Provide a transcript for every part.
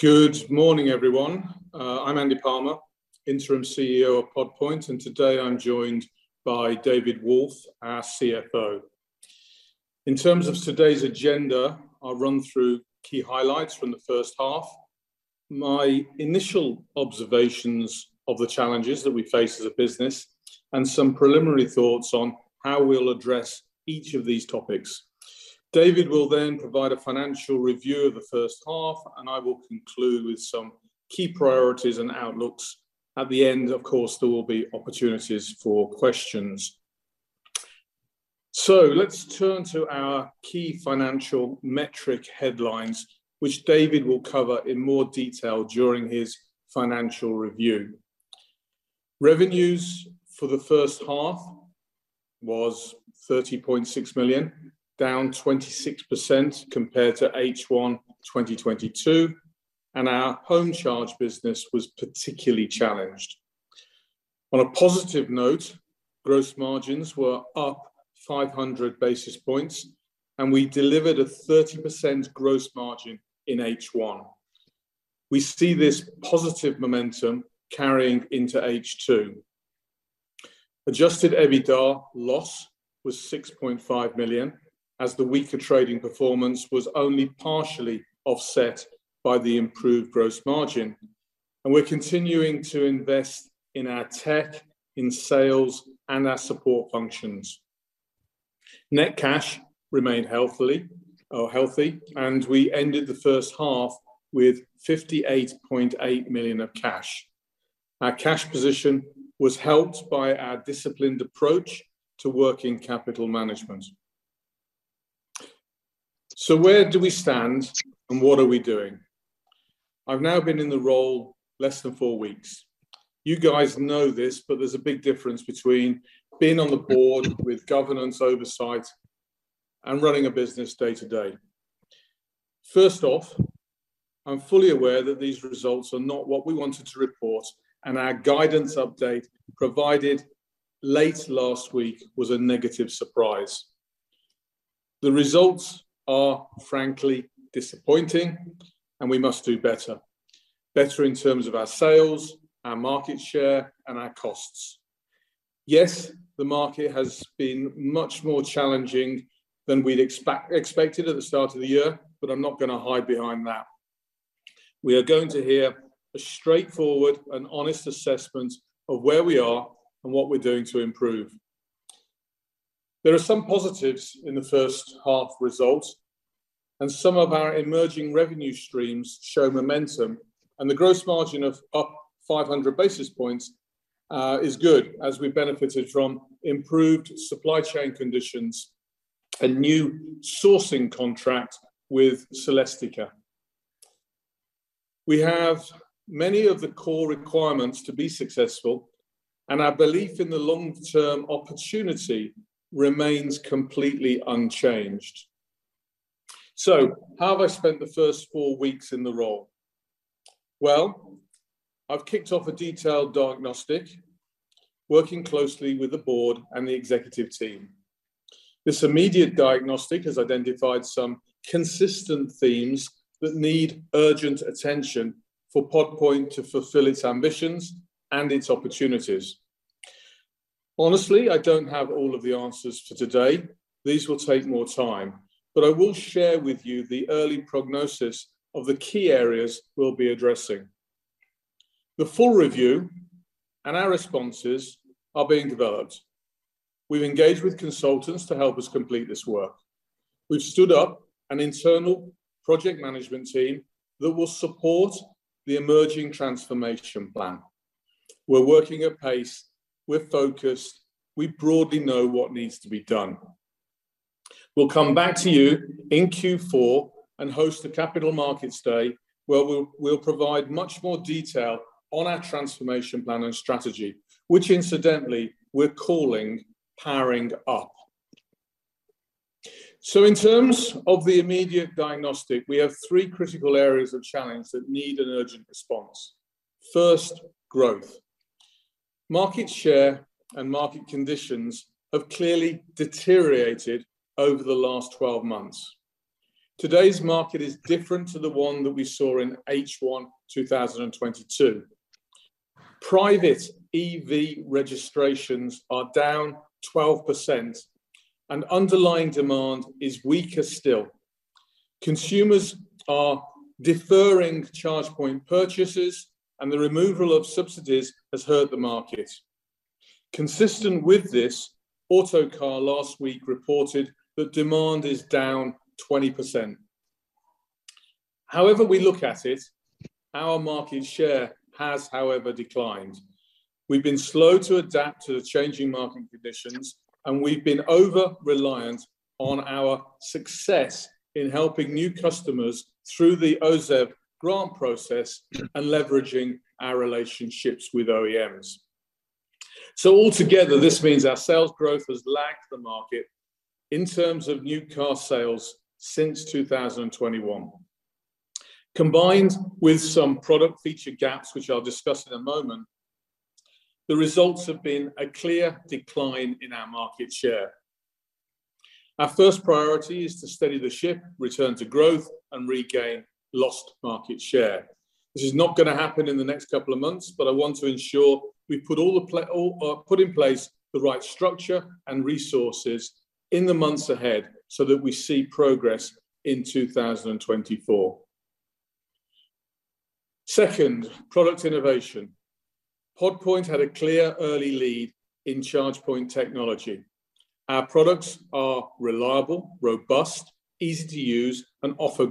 Good morning, everyone. I'm Andy Palmer, Interim CEO of Pod Point, and today I'm joined by David Wolffe, our CFO. In terms of today's agenda, I'll run through key highlights from H1, my initial observations of the challenges that we face as a business, and some preliminary thoughts on how we'll address each of these topics. David will provide a financial review of H1, and I will conclude with some key priorities and outlooks. At the end, of course, there will be opportunities for questions. Let's turn to our key financial metric headlines, which David will cover in more detail during his financial review. Revenues for H1 was 30.6 million, down 26% compared to H1 2022, and our home charge business was particularly challenged. On a positive note, gross margins were up 500 basis points. We delivered a 30% gross margin in H1. We see this positive momentum carrying into H2. Adjusted EBITDA loss was 6.5 million, as the weaker trading performance was only partially offset by the improved gross margin. We're continuing to invest in our tech, in sales, and our support functions. Net cash remained healthily, or healthy, and we ended the first half with 58.8 million of cash. Our cash position was helped by our disciplined approach to working capital management. Where do we stand, and what are we doing? I've now been in the role less than four weeks. You guys know this, there's a big difference between being on the board with governance oversight and running a business day-to-day. First off, I'm fully aware that these results are not what we wanted to report, and our guidance update, provided late last week, was a negative surprise. The results are frankly disappointing, and we must do better. Better in terms of our sales, our market share, and our costs. Yes, the market has been much more challenging than we'd expected at the start of the year, but I'm not gonna hide behind that. We are going to hear a straightforward and honest assessment of where we are and what we're doing to improve. There are some positives in the first half results, and some of our emerging revenue streams show momentum, and the gross margin of up 500 basis points is good as we benefited from improved supply chain conditions and new sourcing contract with Celestica. We have many of the core requirements to be successful, and our belief in the long-term opportunity remains completely unchanged. How have I spent the first four weeks in the role? I've kicked off a detailed diagnostic, working closely with the board and the executive team. This immediate diagnostic has identified some consistent themes that need urgent attention for Pod Point to fulfill its ambitions and its opportunities. Honestly, I don't have all of the answers for today. These will take more time, but I will share with you the early prognosis of the key areas we'll be addressing. The full review and our responses are being developed. We've engaged with consultants to help us complete this work. We've stood up an internal project management team that will support the emerging transformation plan. We're working at pace, we're focused, we broadly know what needs to be done. We'll come back to you in Q4 and host a Capital Markets Day, where we'll provide much more detail on our transformation plan and strategy, which incidentally, we're calling Powering Up. In terms of the immediate diagnostic, we have three critical areas of challenge that need an urgent response. First, growth. Market share and market conditions have clearly deteriorated over the last 12 months. Today's market is different to the one that we saw in H1 2022. Private EV registrations are down 12%, underlying demand is weaker still. Consumers are deferring charge point purchases, the removal of subsidies has hurt the market. Consistent with this, Autocar last week reported that demand is down 20%. However we look at it, our market share has, however, declined. We've been slow to adapt to the changing market conditions, and we've been over-reliant on our success in helping new customers through the OZEV grant process and leveraging our relationships with OEMs. Altogether, this means our sales growth has lagged the market in terms of new car sales since 2021. Combined with some product feature gaps, which I'll discuss in a moment, the results have been a clear decline in our market share. Our first priority is to steady the ship, return to growth, and regain lost market share. This is not gonna happen in the next couple of months, but I want to ensure we put all the all put in place the right structure and resources in the months ahead so that we see progress in 2024. Second, product innovation. Pod Point had a clear early lead in charge point technology. Our products are reliable, robust, easy to use, and offer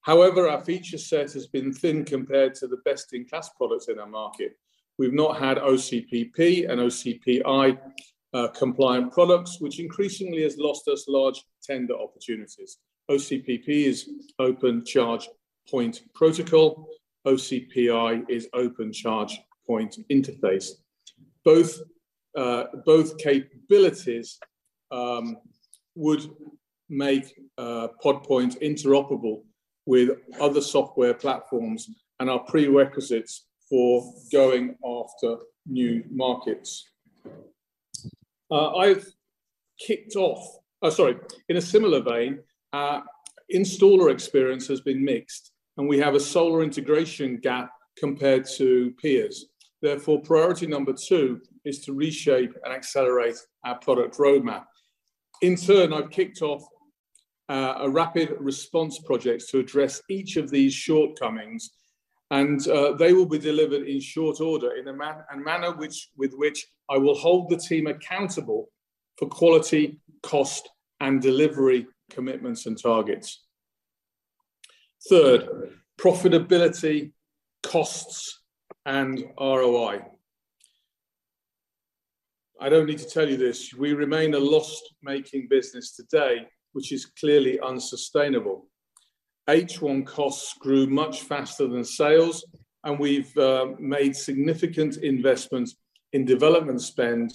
great value. However, our feature set has been thin compared to the best-in-class products in our market. We've not had OCPP and OCPI compliant products, which increasingly has lost us large tender opportunities. OCPP is Open Charge Point Protocol, OCPI is Open Charge Point Interface. Both, both capabilities would make Pod Point interoperable with other software platforms and are prerequisites for going after new markets. I've kicked off. Oh, sorry. In a similar vein, installer experience has been mixed, and we have a solar integration gap compared to peers. Therefore, priority number two is to reshape and accelerate our product roadmap. In turn, I've kicked off a rapid response project to address each of these shortcomings, and they will be delivered in short order, in a manner with which I will hold the team accountable for quality, cost, and delivery commitments and targets. Third, profitability, costs, and ROI. I don't need to tell you this. We remain a loss-making business today, which is clearly unsustainable. H1 costs grew much faster than sales, and we've made significant investments in development spend,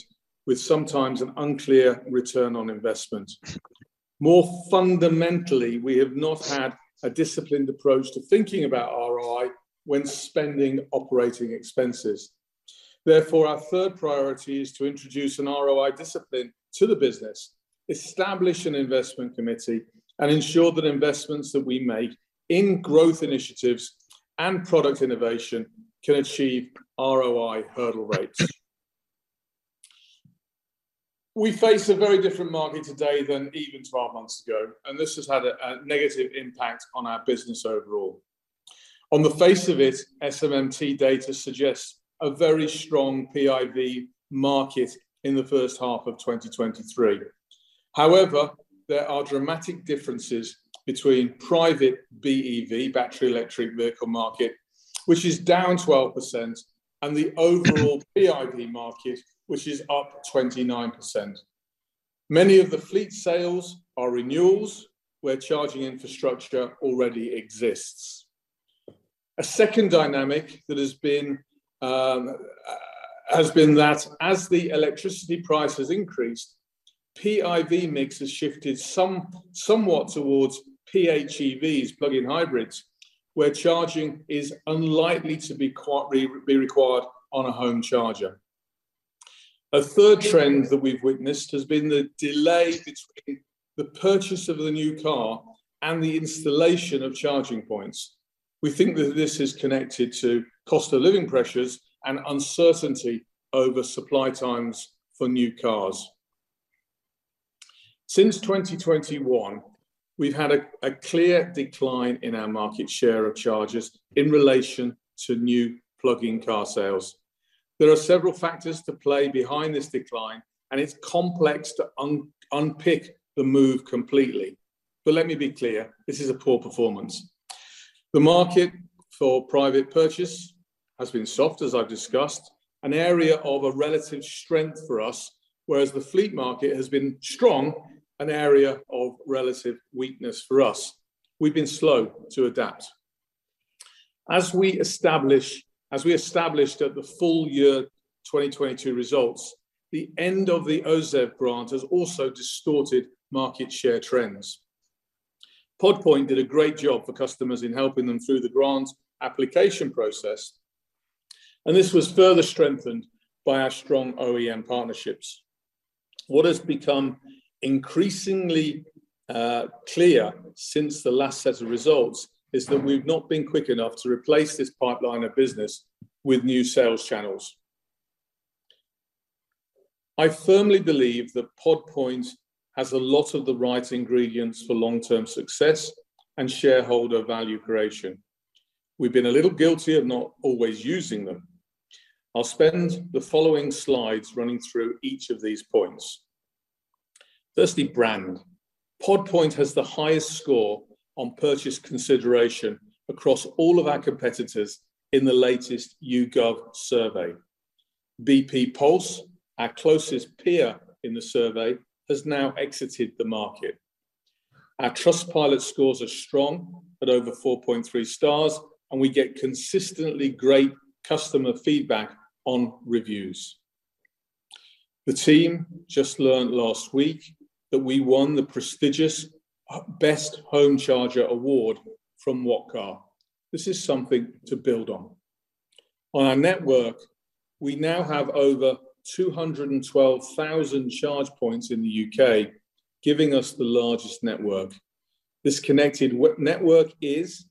with sometimes an unclear return on investment. More fundamentally, we have not had a disciplined approach to thinking about ROI when spending operating expenses. Therefore, our third priority is to introduce an ROI discipline to the business, establish an investment committee, and ensure that investments that we make in growth initiatives and product innovation can achieve ROI hurdle rates. We face a very different market today than even 12 months ago, and this has had a negative impact on our business overall. On the face of it, SMMT data suggests a very strong PIV market in the first half of 2023. There are dramatic differences between private BEV, battery electric vehicle market, which is down 12%, and the overall PIV market, which is up 29%. Many of the fleet sales are renewals, where charging infrastructure already exists. A second dynamic that has been that as the electricity price has increased, PIV mix has shifted somewhat towards PHEVs, plug-in hybrids, where charging is unlikely to be required on a home charger. A third trend that we've witnessed has been the delay between the purchase of the new car and the installation of charging points. We think that this is connected to cost of living pressures and uncertainty over supply times for new cars. Since 2021, we've had a clear decline in our market share of chargers in relation to new plug-in car sales. There are several factors to play behind this decline. It's complex to unpick the move completely. Let me be clear, this is a poor performance. The market for private purchase has been soft, as I've discussed, an area of a relative strength for us, whereas the fleet market has been strong, an area of relative weakness for us. We've been slow to adapt. As we established at the full year 2022 results, the end of the OZEV grant has also distorted market share trends. Pod Point did a great job for customers in helping them through the grant application process. This was further strengthened by our strong OEM partnerships. What has become increasingly clear since the last set of results is that we've not been quick enough to replace this pipeline of business with new sales channels. I firmly believe that Pod Point has a lot of the right ingredients for long-term success and shareholder value creation. We've been a little guilty of not always using them. I'll spend the following slides running through each of these points. Firstly, brand. Pod Point has the highest score on purchase consideration across all of our competitors in the latest YouGov survey. bp pulse, our closest peer in the survey, has now exited the market. Our Trustpilot scores are strong, at over 4.3 stars, and we get consistently great customer feedback on reviews. The team just learned last week that we won the prestigious Best Home Charger award from What Car? This is something to build on. On our network, we now have over 212,000 charge points in the UK, giving us the largest network. This connected network is,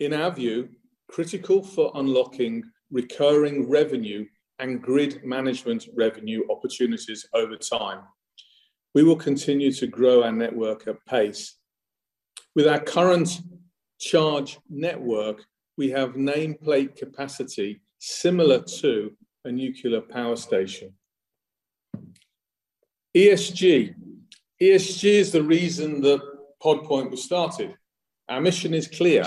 in our view, critical for unlocking recurring revenue and grid management revenue opportunities over time. We will continue to grow our network at pace. With our current charge network, we have nameplate capacity similar to a nuclear power station. ESG. ESG is the reason that Pod Point was started. Our mission is clear.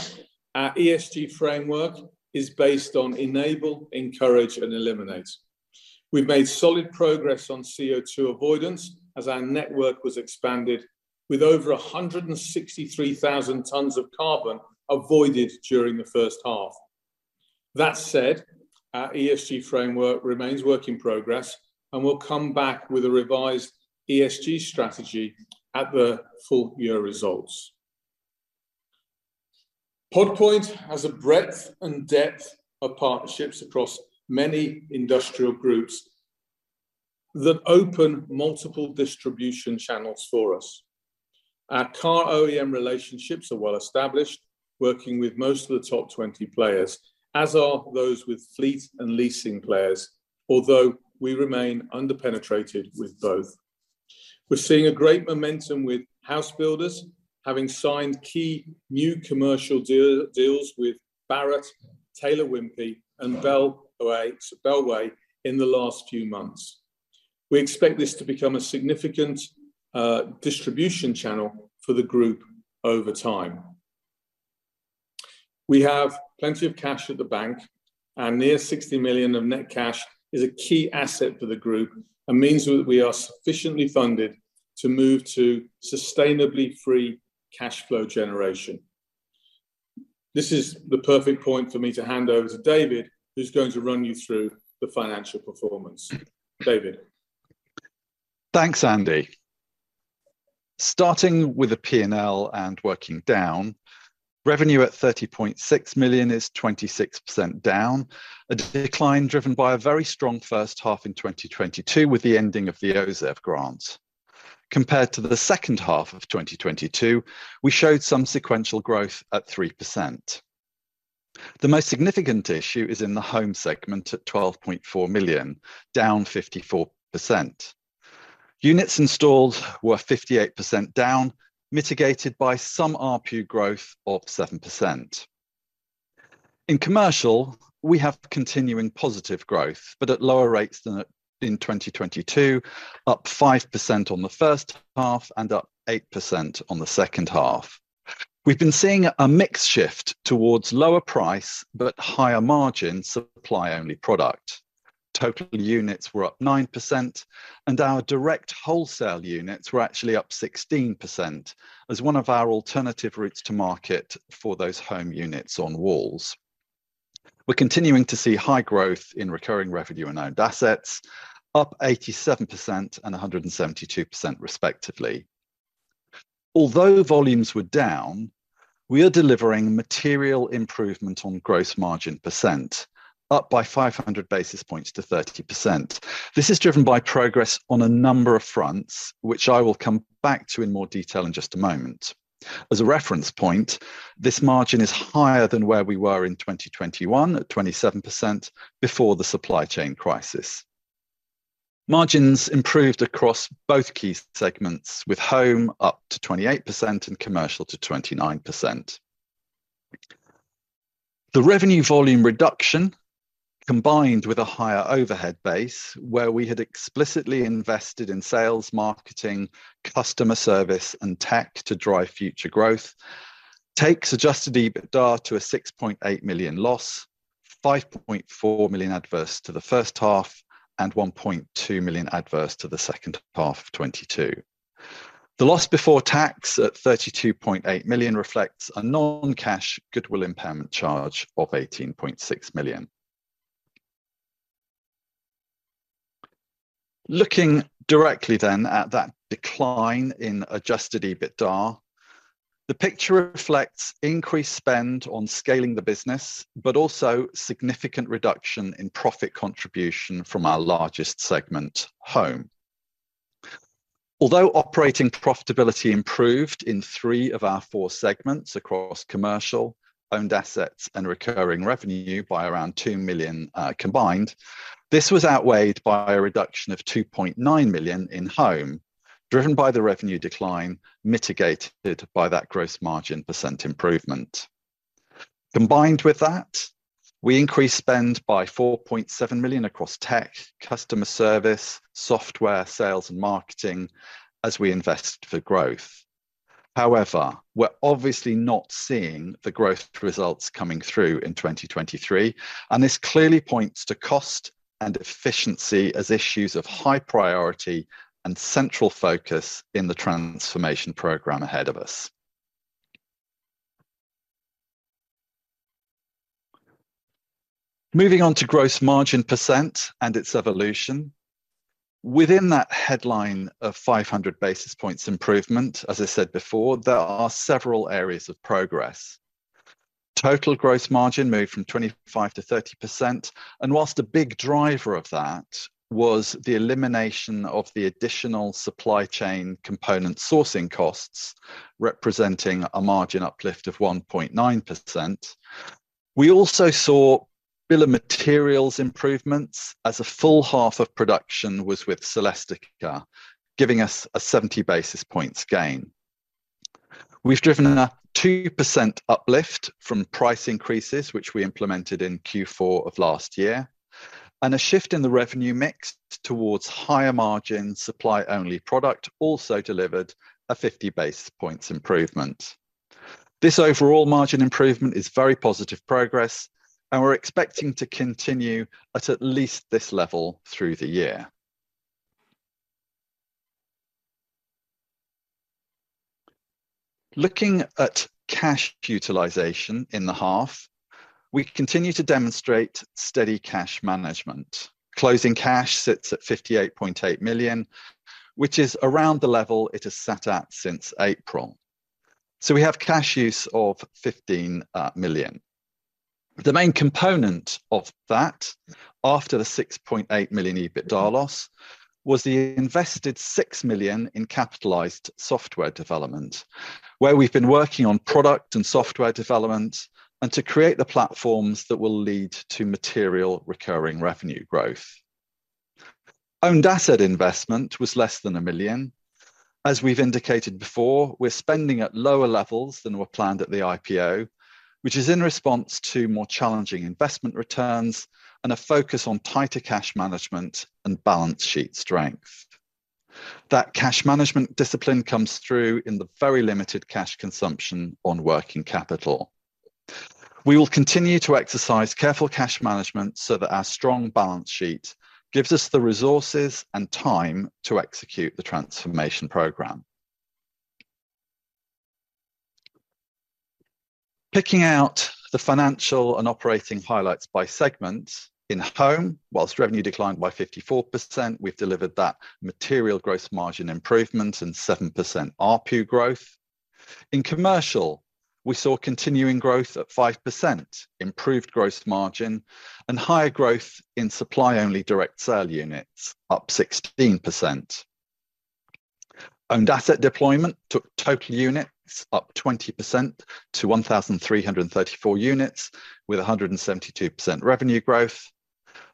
Our ESG framework is based on enable, encourage and eliminate. We've made solid progress on CO2 avoidance as our network was expanded, with over 163,000 tons of carbon avoided during the first half. That said, our ESG framework remains work in progress. We'll come back with a revised ESG strategy at the full year results. Pod Point has a breadth and depth of partnerships across many industrial groups that open multiple distribution channels for us. Our car OEM relationships are well established, working with most of the top 20 players, as are those with fleet and leasing players, although we remain under-penetrated with both. We're seeing great momentum with house builders, having signed key new commercial deal, deals with Barratt, Taylor Wimpey, and Bellway in the last few months. We expect this to become a significant distribution channel for the group over time. We have plenty of cash at the bank. Near 60 million of net cash is a key asset for the group, and means that we are sufficiently funded to move to sustainably free cash flow generation. This is the perfect point for me to hand over to David, who's going to run you through the financial performance. David? Thanks, Andy. Starting with the P&L and working down, revenue at 30.6 million is 26% down, a decline driven by a very strong first half in 2022 with the ending of the OZEV grant. Compared to the second half of 2022, we showed some sequential growth at 3%. The most significant issue is in the home segment at 12.4 million, down 54%. Units installed were 58% down, mitigated by some RPU growth of 7%. In commercial, we have continuing positive growth, but at lower rates than in 2022, up 5% on the first half and up 8% on the second half. We've been seeing a mix shift towards lower price but higher margin supply-only product. Total units were up 9%, our direct wholesale units were actually up 16%, as one of our alternative routes to market for those home units on walls. We're continuing to see high growth in recurring revenue and owned assets, up 87% and 172%, respectively. Although volumes were down, we are delivering material improvement on gross margin percent, up by 500 basis points to 30%. This is driven by progress on a number of fronts, which I will come back to in more detail in just a moment. As a reference point, this margin is higher than where we were in 2021, at 27%, before the supply chain crisis. Margins improved across both key segments, with home up to 28% and commercial to 29%. The revenue volume reduction, combined with a higher overhead base, where we had explicitly invested in sales, marketing, customer service, and tech to drive future growth, takes adjusted EBITDA to a 6.8 million loss, 5.4 million adverse to the first half and 1.2 million adverse to the second half of 2022. The loss before tax at 32.8 million reflects a non-cash goodwill impairment charge of 18.6 million. Looking directly then at that decline in adjusted EBITDA, the picture reflects increased spend on scaling the business, also significant reduction in profit contribution from our largest segment, home. Although operating profitability improved in three of our four segments across commercial, owned assets, and recurring revenue by around 2 million combined, this was outweighed by a reduction of 2.9 million in home, driven by the revenue decline, mitigated by that gross margin percent improvement. Combined with that, we increased spend by 4.7 million across tech, customer service, software, sales, and marketing as we invest for growth. However, we're obviously not seeing the growth results coming through in 2023, and this clearly points to cost and efficiency as issues of high priority and central focus in the transformation program ahead of us. Moving on to gross margin percent and its evolution. Within that headline of 500 basis points improvement, as I said before, there are several areas of progress. Total gross margin moved from 25%-30%, and whilst a big driver of that was the elimination of the additional supply chain component sourcing costs, representing a margin uplift of 1.9%. We also saw bill of materials improvements as a full half of production was with Celestica, giving us a 70 basis points gain. We've driven a 2% uplift from price increases, which we implemented in Q4 of last year, and a shift in the revenue mix towards higher margin supply-only product also delivered a 50 basis points improvement. This overall margin improvement is very positive progress, and we're expecting to continue at least this level through the year. Looking at cash utilization in the half, we continue to demonstrate steady cash management. Closing cash sits at 58.8 million, which is around the level it has sat at since April. We have cash use of 15 million. The main component of that, after the 6.8 million EBITDA loss, was the invested 6 million in capitalized software development, where we've been working on product and software development, and to create the platforms that will lead to material recurring revenue growth. Owned asset investment was less than 1 million. As we've indicated before, we're spending at lower levels than were planned at the IPO, which is in response to more challenging investment returns and a focus on tighter cash management and balance sheet strength. That cash management discipline comes through in the very limited cash consumption on working capital. We will continue to exercise careful cash management so that our strong balance sheet gives us the resources and time to execute the transformation program. Picking out the financial and operating highlights by segment. In home, whilst revenue declined by 54%, we've delivered that material gross margin improvement and 7% ARPU growth. In commercial, we saw continuing growth at 5%, improved gross margin, and higher growth in supply-only direct sale units, up 16%. Owned asset deployment took total units up 20% to 1,334 units, with a 172% revenue growth.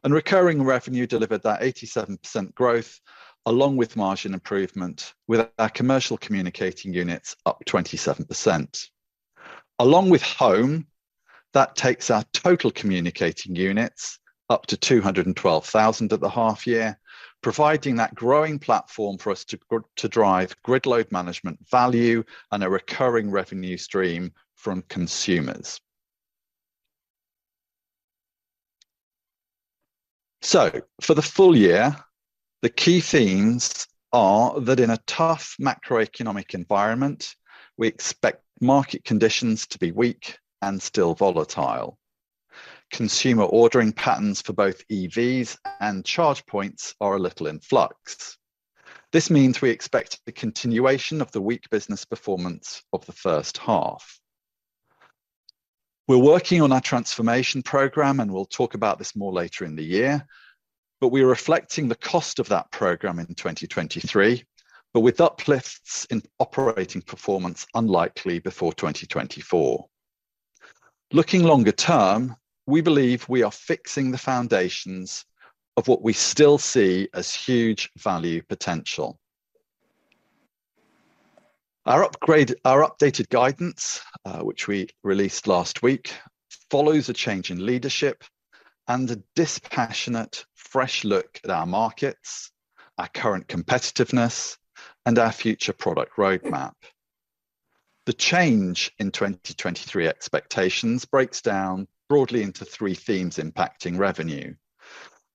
Recurring revenue delivered that 87% growth, along with margin improvement, with our commercial communicating units up 27%. Along with home, that takes our total communicating units up to 212,000 at the half year, providing that growing platform for us to drive grid load management value and a recurring revenue stream from consumers. For the full year, the key themes are that in a tough macroeconomic environment, we expect market conditions to be weak and still volatile. Consumer ordering patterns for both EVs and charge points are a little in flux. This means we expect a continuation of the weak business performance of the first half. We're working on our transformation program, and we'll talk about this more later in the year, but we're reflecting the cost of that program in 2023, but with uplifts in operating performance unlikely before 2024. Looking longer term, we believe we are fixing the foundations of what we still see as huge value potential. Our updated guidance, which we released last week, follows a change in leadership and a dispassionate, fresh look at our markets, our current competitiveness, and our future product roadmap. The change in 2023 expectations breaks down broadly into three themes impacting revenue: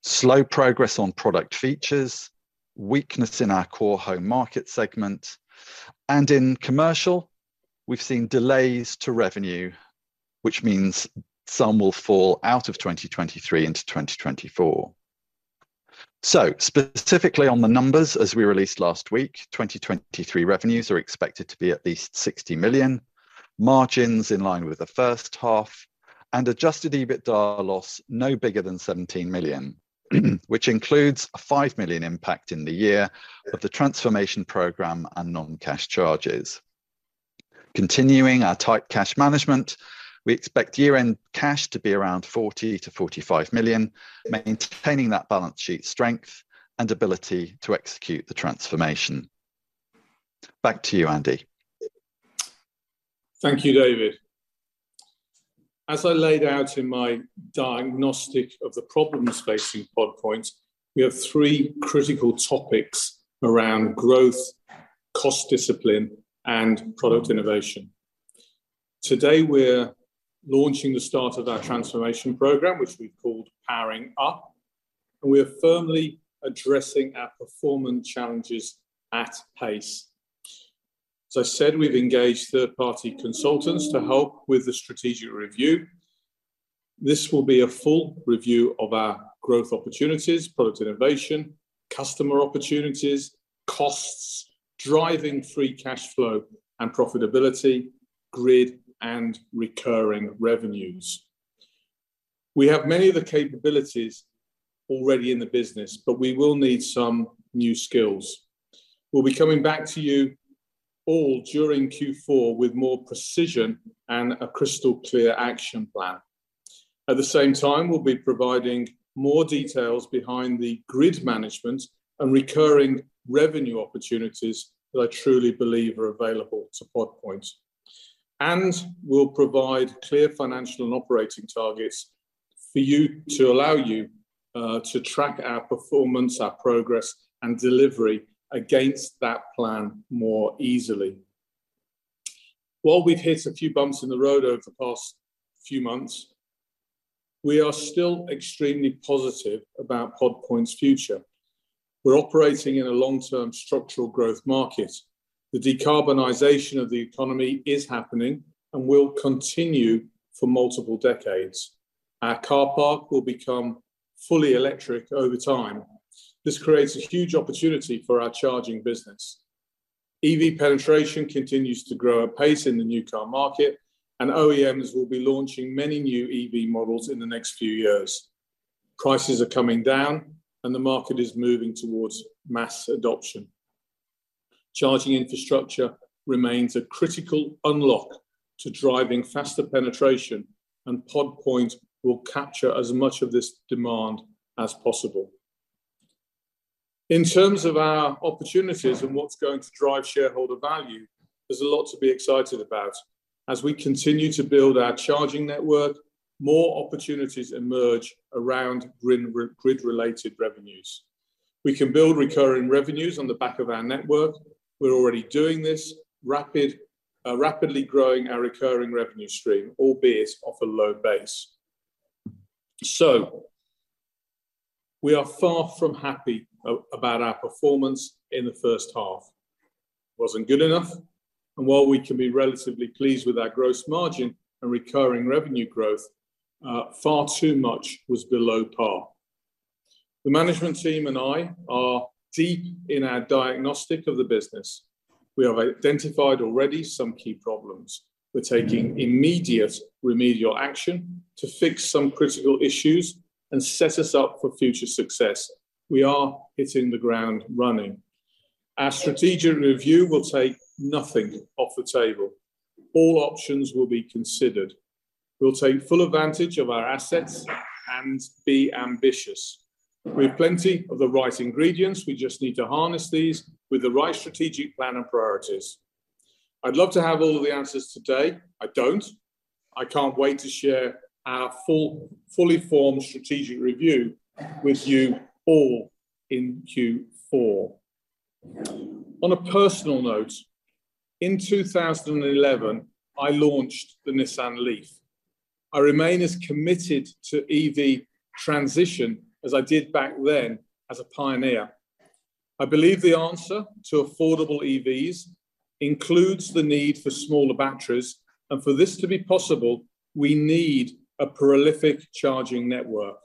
slow progress on product features, weakness in our core home market segment, and in commercial, we've seen delays to revenue, which means some will fall out of 2023 into 2024. Specifically on the numbers, as we released last week, 2023 revenues are expected to be at least 60 million, margins in line with the first half, and Adjusted EBITDA loss, no bigger than 17 million, which includes a 5 million impact in the year of the transformation program and non-cash charges. Continuing our tight cash management, we expect year-end cash to be around 40 million-45 million, maintaining that balance sheet strength and ability to execute the transformation. Back to you, Andy. Thank you, David. As I laid out in my diagnostic of the problems facing Pod Point, we have three critical topics around growth, cost discipline, and product innovation. Today, we're launching the start of our transformation program, which we've called Powering Up, and we are firmly addressing our performance challenges at pace. I said we've engaged third-party consultants to help with the strategic review. This will be a full review of our growth opportunities, product innovation, customer opportunities, costs, driving free cash flow and profitability, grid and recurring revenues. We have many of the capabilities already in the business, but we will need some new skills. We'll be coming back to you all during Q4 with more precision and a crystal clear action plan. At the same time, we'll be providing more details behind the grid management and recurring revenue opportunities that I truly believe are available to Pod Point, and we'll provide clear financial and operating targets for you to allow you to track our performance, our progress, and delivery against that plan more easily. While we've hit a few bumps in the road over the past few months, we are still extremely positive about Pod Point's future. We're operating in a long-term structural growth market. The decarbonization of the economy is happening and will continue for multiple decades. Our car park will become fully electric over time. This creates a huge opportunity for our charging business. EV penetration continues to grow at pace in the new car market, and OEMs will be launching many new EV models in the next few years. Prices are coming down, the market is moving towards mass adoption. Charging infrastructure remains a critical unlock to driving faster penetration, Pod Point will capture as much of this demand as possible. In terms of our opportunities and what's going to drive shareholder value, there's a lot to be excited about. As we continue to build our charging network, more opportunities emerge around grid-related revenues. We can build recurring revenues on the back of our network. We're already doing this, rapid, rapidly growing our recurring revenue stream, albeit off a low base. We are far from happy about our performance in the first half. Wasn't good enough, while we can be relatively pleased with our gross margin and recurring revenue growth, far too much was below par. The management team and I are deep in our diagnostic of the business. We have identified already some key problems. We're taking immediate remedial action to fix some critical issues and set us up for future success. We are hitting the ground running. Our strategic review will take nothing off the table. All options will be considered. We'll take full advantage of our assets and be ambitious. We have plenty of the right ingredients, we just need to harness these with the right strategic plan and priorities. I'd love to have all of the answers today. I don't. I can't wait to share our full, fully formed strategic review with you all in Q4. On a personal note, in 2011, I launched the Nissan LEAF. I remain as committed to EV transition as I did back then as a pioneer. I believe the answer to affordable EVs includes the need for smaller batteries, and for this to be possible, we need a prolific charging network.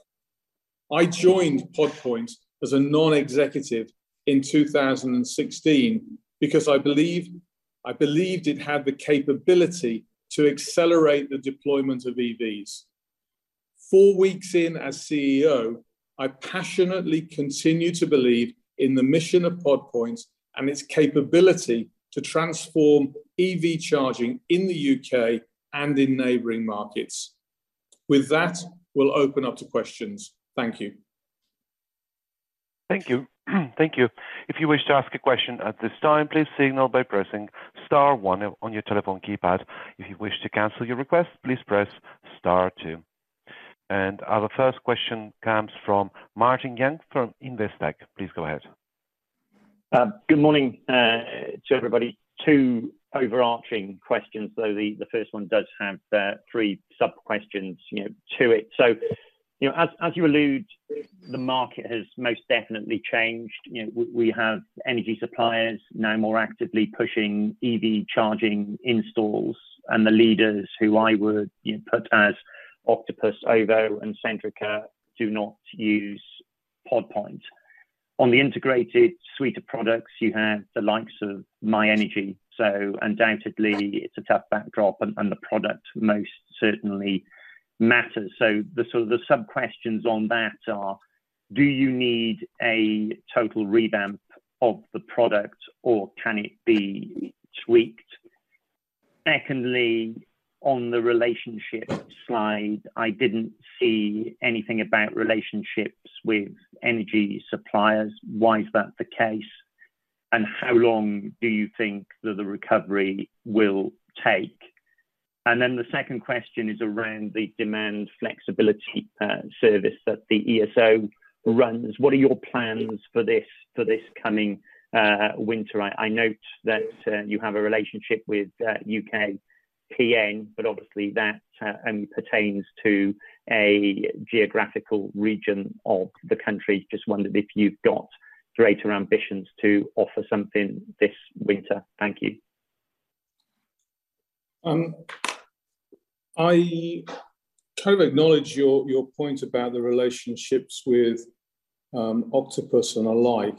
I joined Pod Point as a non-executive in 2016 because I believe, I believed it had the capability to accelerate the deployment of EVs. Four weeks in as CEO, I passionately continue to believe in the mission of Pod Point and its capability to transform EV charging in the UK and in neighboring markets. With that, we'll open up to questions. Thank you. Thank you. Thank you. If you wish to ask a question at this time, please signal by pressing star one on your telephone keypad. If you wish to cancel your request, please press star two. Our first question comes from Martin Young from Investec. Please go ahead. Good morning to everybody. Two overarching questions, though the first one does have three sub-questions, you know, to it. You know, as you allude, the market has most definitely changed. You know, we have energy suppliers now more actively pushing EV charging installs, and the leaders who I would, you know, put as Octopus, OVO, and Centrica do not use Pod Point. On the integrated suite of products, you have the likes of myenergi, undoubtedly, it's a tough backdrop, and the product most certainly matters. The sort of the sub-questions on that are: Do you need a total revamp of the product, or can it be tweaked? Secondly, on the relationship slide, I didn't see anything about relationships with energy suppliers. Why is that the case, and how long do you think that the recovery will take? Then the second question is around the demand flexibility service that the ESO runs. What are your plans for this, for this coming winter? I note that you have a relationship with UKPN, but obviously, that pertains to a geographical region of the country. Just wondered if you've got greater ambitions to offer something this winter. Thank you. I kind of acknowledge your, your point about the relationships with Octopus and alike.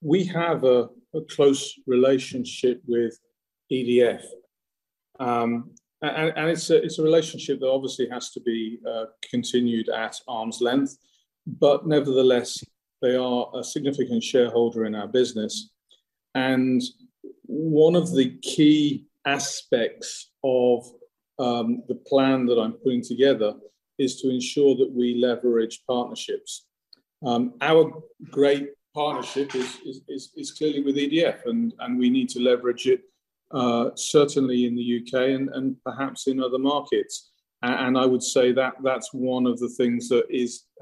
We have a close relationship with EDF. It's a relationship that obviously has to be continued at arm's length, but nevertheless, they are a significant shareholder in our business. One of the key aspects of the plan that I'm putting together is to ensure that we leverage partnerships. Our great partnership is clearly with EDF, and we need to leverage it certainly in the UK and perhaps in other markets. I would say that that's one of the things that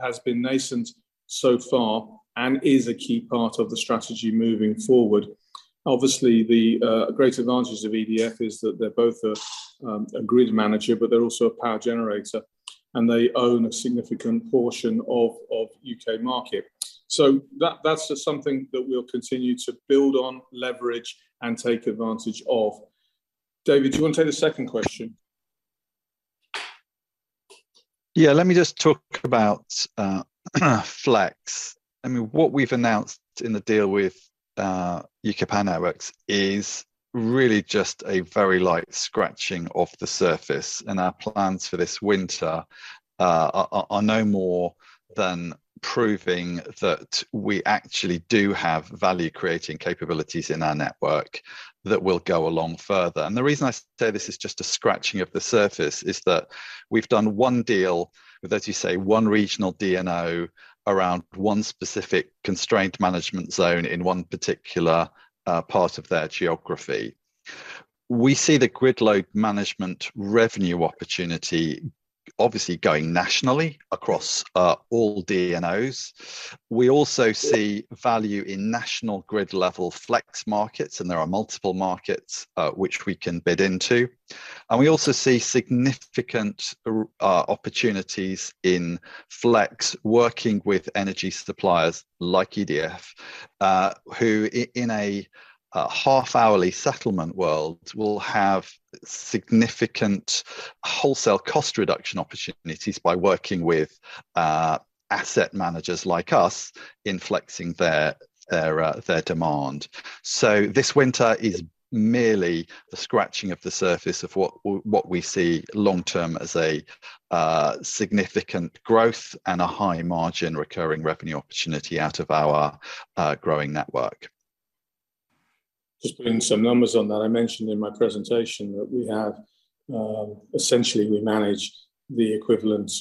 has been nascent so far and is a key part of the strategy moving forward. Obviously, the great advantage of EDF is that they're both a grid manager, but they're also a power generator, and they own a significant portion of, of UK market. That's just something that we'll continue to build on, leverage, and take advantage of. David, do you wanna take the second question? Yeah, let me just talk about flex. I mean, what we've announced in the deal with UK Power Networks is really just a very light scratching of the surface. Our plans for this winter are no more than proving that we actually do have value-creating capabilities in our network that will go a lot further. The reason I say this is just a scratching of the surface is that we've done one deal with, as you say, one regional DNO around one specific constraint management zone in one particular part of their geography. We see the grid load management revenue opportunity obviously going nationally across all DNOs. We also see value in national grid-level flex markets. There are multiple markets which we can bid into. We also see significant opportunities in flex, working with energy suppliers like EDF, in a half-hourly settlement world, will have significant wholesale cost reduction opportunities by working with asset managers like us in flexing their demand. This winter is merely a scratching of the surface of what we see long-term as a significant growth and a high-margin recurring revenue opportunity out of our growing network. Just putting some numbers on that. I mentioned in my presentation that we have, essentially, we manage the equivalent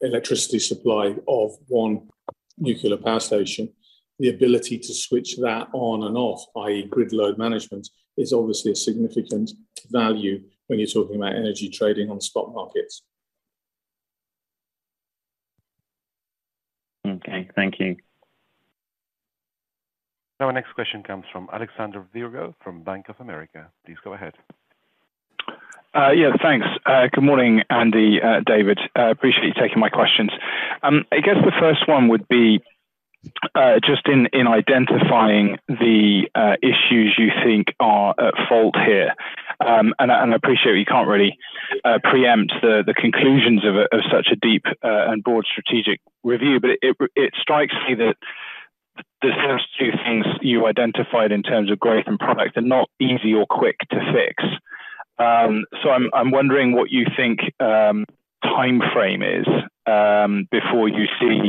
electricity supply of one nuclear power station. The ability to switch that on and off, i.e., grid load management, is obviously a significant value when you're talking about energy trading on stock markets. Okay, thank you. Now our next question comes from Alexandre Virgo from Bank of America. Please go ahead. Yeah, thanks. Good morning, Andy, David. I appreciate you taking my questions. I guess the first one would be just in, in identifying the issues you think are at fault here. I, and I appreciate you can't really preempt the, the conclusions of a, of such a deep and broad strategic review, but it, it strikes me that the first two things you identified in terms of growth and product are not easy or quick to fix. I'm, I'm wondering what you think timeframe is before you see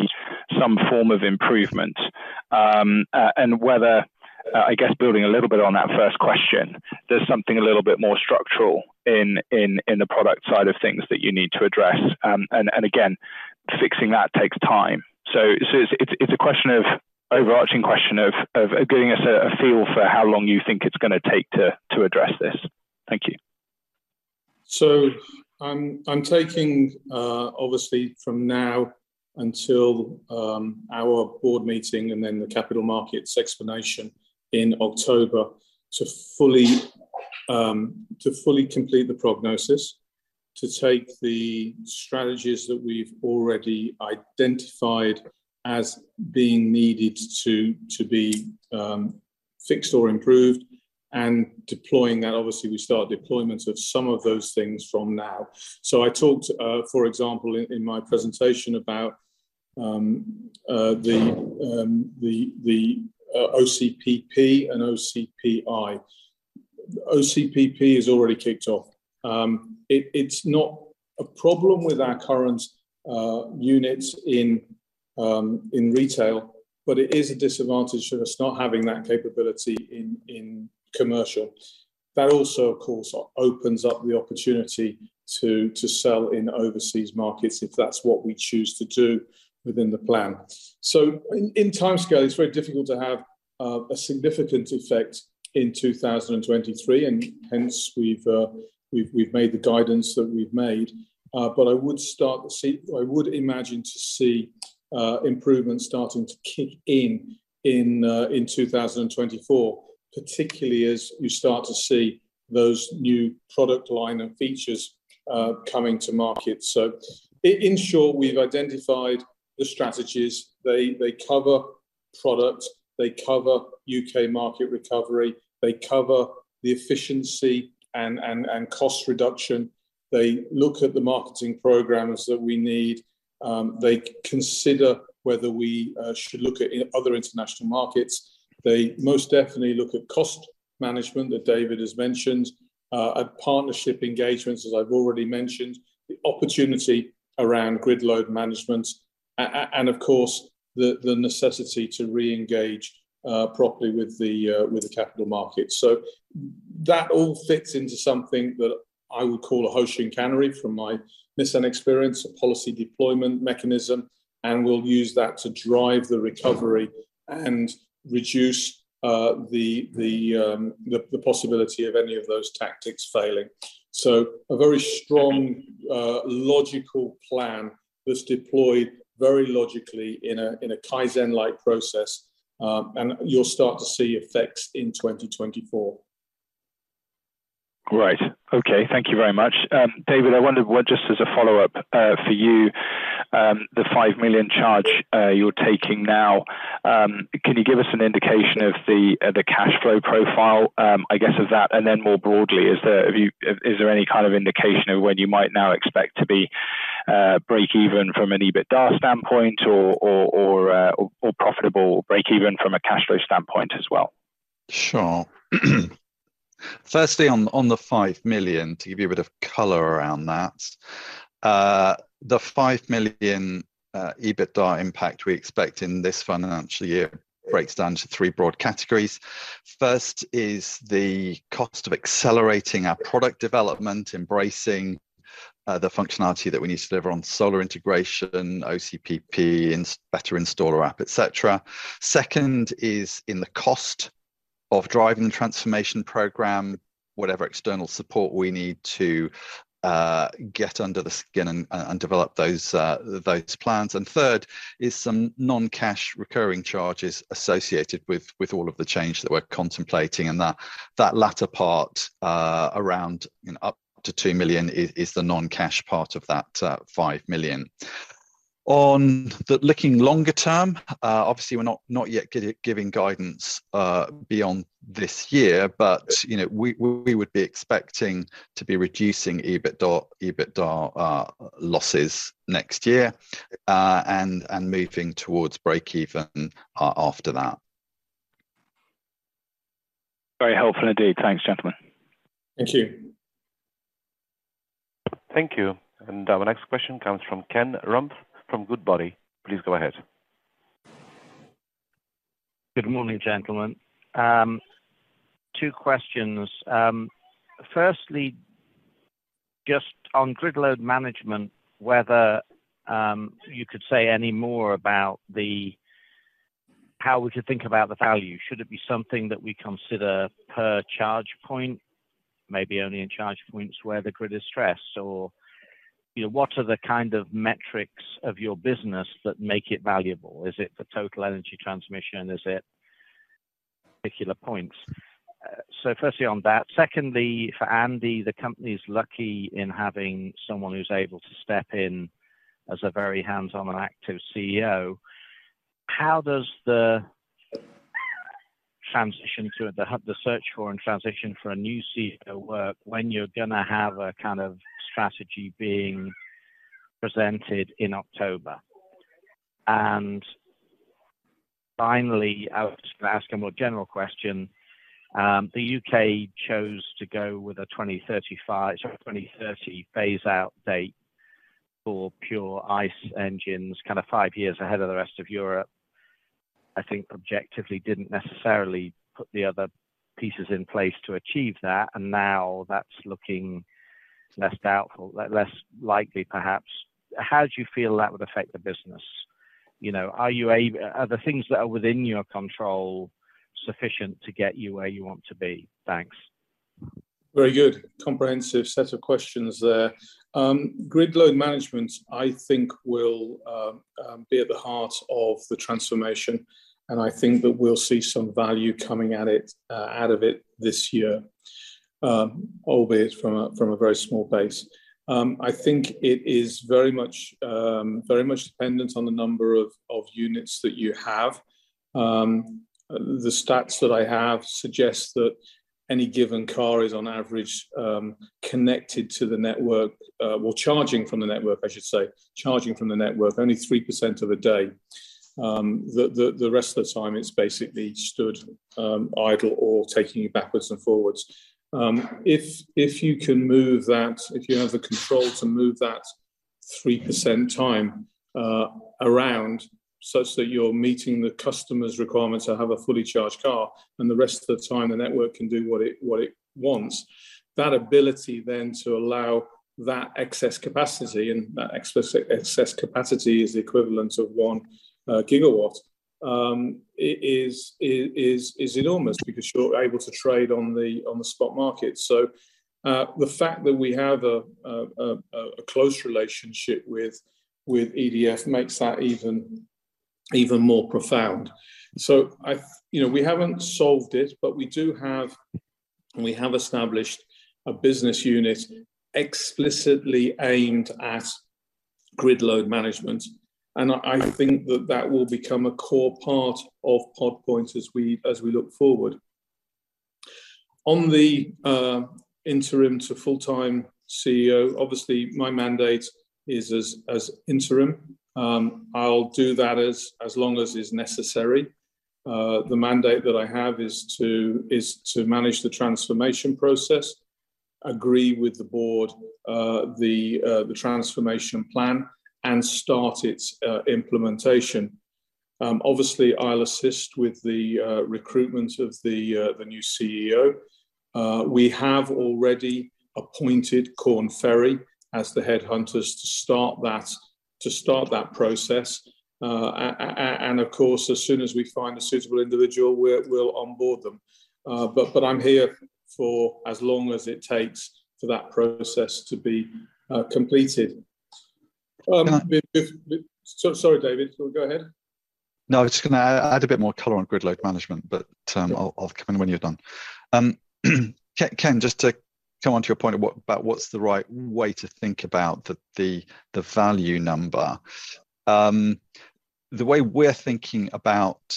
some form of improvement. Whether, I guess building a little bit on that first question, there's something a little bit more structural in, in, in the product side of things that you need to address. Again, fixing that takes time. It's a question of overarching question of giving us a feel for how long you think it's gonna take to address this. Thank you. I'm, I'm taking, obviously, from now until our board meeting, and then the capital markets explanation in October to fully to fully complete the prognosis, to take the strategies that we've already identified as being needed to to be fixed or improved and deploying that. Obviously, we start deployment of some of those things from now. I talked, for example, in, in my presentation about the OCPP and OCPI. OCPP has already kicked off. It, it's not a problem with our current units in retail, but it is a disadvantage for us not having that capability in commercial. That also, of course, opens up the opportunity to to sell in overseas markets if that's what we choose to do within the plan. In, in timescale, it's very difficult to have a significant effect in 2023, and hence we've, we've made the guidance that we've made. But I would start to see I would imagine to see improvements starting to kick in, in 2024, particularly as we start to see those new product line and features coming to market. In short, we've identified the strategies. They, they cover product, they cover UK market recovery, they cover the efficiency and, and, and cost reduction. They look at the marketing programs that we need. They consider whether we should look at in other international markets. They most definitely look at cost management, that David has mentioned, at partnership engagements, as I've already mentioned, the opportunity around grid load management, and of course, the necessity to re-engage properly with the capital markets. That all fits into something that I would call a Hoshin Kanri from my Nissan experience, a policy deployment mechanism, and we'll use that to drive the recovery and reduce the possibility of any of those tactics failing. A very strong, logical plan that's deployed very logically in a Kaizen-like process, and you'll start to see effects in 2024. Great. Okay, thank you very much. David, I wonder what, just as a follow-up, for you, the 5 million charge, you're taking now, can you give us an indication of the cash flow profile, I guess, of that? Then more broadly, is there is there any kind of indication of when you might now expect to be break even from an EBITDA standpoint or, or, or, or profitable breakeven from a cash flow standpoint as well? Sure. Firstly, on, on the 5 million, to give you a bit of color around that. The 5 million EBITDA impact we expect in this financial year breaks down into three broad categories. First is the cost of accelerating our product development, embracing the functionality that we need to deliver on solar integration, OCPP, better installer app, et cetera. Second is in the cost of driving the transformation program, whatever external support we need to get under the skin and, and develop those, those plans. Third is some non-cash recurring charges associated with, with all of the change that we're contemplating, and that, that latter part, around and up to 2 million is, is the non-cash part of that 5 million. On the looking longer term, obviously, we're not, not yet giving guidance beyond this year, but, you know, we would be expecting to be reducing EBIT or EBITDA losses next year and moving towards breakeven after that. Very helpful indeed. Thanks, gentlemen. Thank you. Thank you. Our next question comes from Ken Rumph from Goodbody. Please go ahead. Good morning, gentlemen. Two questions. Firstly, just on grid load management, whether you could say any more about the how we should think about the value? Should it be something that we consider per charge point, maybe only in charge points where the grid is stressed, or, you know, what are the kind of metrics of your business that make it valuable? Is it the total energy transmission? Is it particular points? Firstly, on that. Secondly, for Andy, the company is lucky in having someone who's able to step in as a very hands-on and active CEO. How does the transition to the hub, the search for and transition for a new CEO work when you're gonna have a kind of strategy being presented in October? Finally, I was just gonna ask a more general question. The UK chose to go with a 2035, 2030 phase out date for pure ICE engines, five years ahead of the rest of Europe. I think objectively didn't necessarily put the other pieces in place to achieve that, now that's looking less doubtful, less likely, perhaps. How do you feel that would affect the business? You know, are the things that are within your control sufficient to get you where you want to be? Thanks. Very good, comprehensive set of questions there. Grid load management, I think, will be at the heart of the transformation, and I think that we'll see some value coming at it out of it this year, albeit from a very small base. I think it is very much very much dependent on the number of units that you have. The stats that I have suggest that any given car is on average connected to the network, or charging from the network, I should say, charging from the network only 3% of the day. The rest of the time, it's basically stood idle or taking you backwards and forwards. If, if you can move that, if you have the control to move that 3% time around, such that you're meeting the customer's requirements to have a fully charged car, and the rest of the time the network can do what it, what it wants, that ability then to allow that excess capacity, and that excess, excess capacity is the equivalent of 1 gigawatt, is, is, is enormous because you're able to trade on the, on the spot market. The fact that we have a, a, a, a close relationship with, with EDF makes that even, even more profound. I've, you know, we haven't solved it, but we do have, and we have established a business unit explicitly aimed at grid load management. I, I think that that will become a core part of Pod Point as we, as we look forward. On the interim to full-time CEO, obviously, my mandate is as interim. I'll do that as long as is necessary. The mandate that I have is to manage the transformation process, agree with the board, the transformation plan, and start its implementation. Obviously, I'll assist with the recruitment of the new CEO. We have already appointed Korn Ferry as the headhunters to start that, to start that process. Of course, as soon as we find a suitable individual, we're, we'll onboard them. I'm here for as long as it takes for that process to be completed. If, if. Sorry, David. Go ahead. No, I was just gonna add, add a bit more color on grid load management, but I'll, I'll come in when you're done. Ken, Ken, just to come on to your point about what's the right way to think about the, the, the value number. The way we're thinking about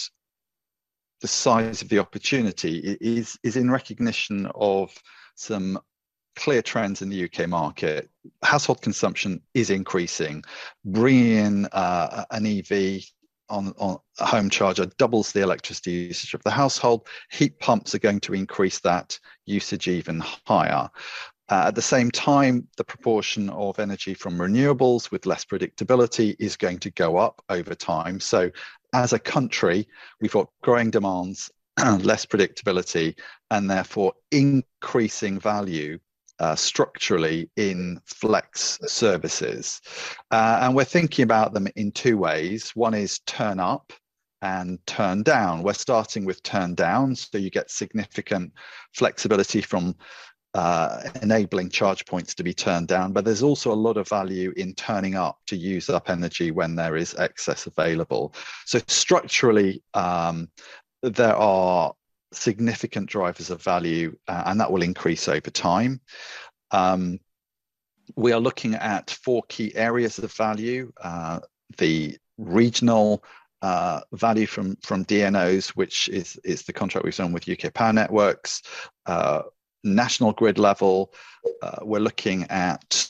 the size of the opportunity is in recognition of some clear trends in the UK market. Household consumption is increasing. Bringing in an EV on, on a home charger doubles the electricity usage of the household. Heat pumps are going to increase that usage even higher. At the same time, the proportion of energy from renewables, with less predictability, is going to go up over time. As a country, we've got growing demands, less predictability, and therefore, increasing value structurally in flex services. We're thinking about them in two ways. One is turn up and turn down. We're starting with turn down, so you get significant flexibility from enabling charge points to be turned down, but there's also a lot of value in turning up to use up energy when there is excess available. Structurally, there are significant drivers of value, and that will increase over time. We are looking at four key areas of the value, the regional value from DNOs, which is, is the contract we've signed with UK Power Networks. National grid level, we're looking at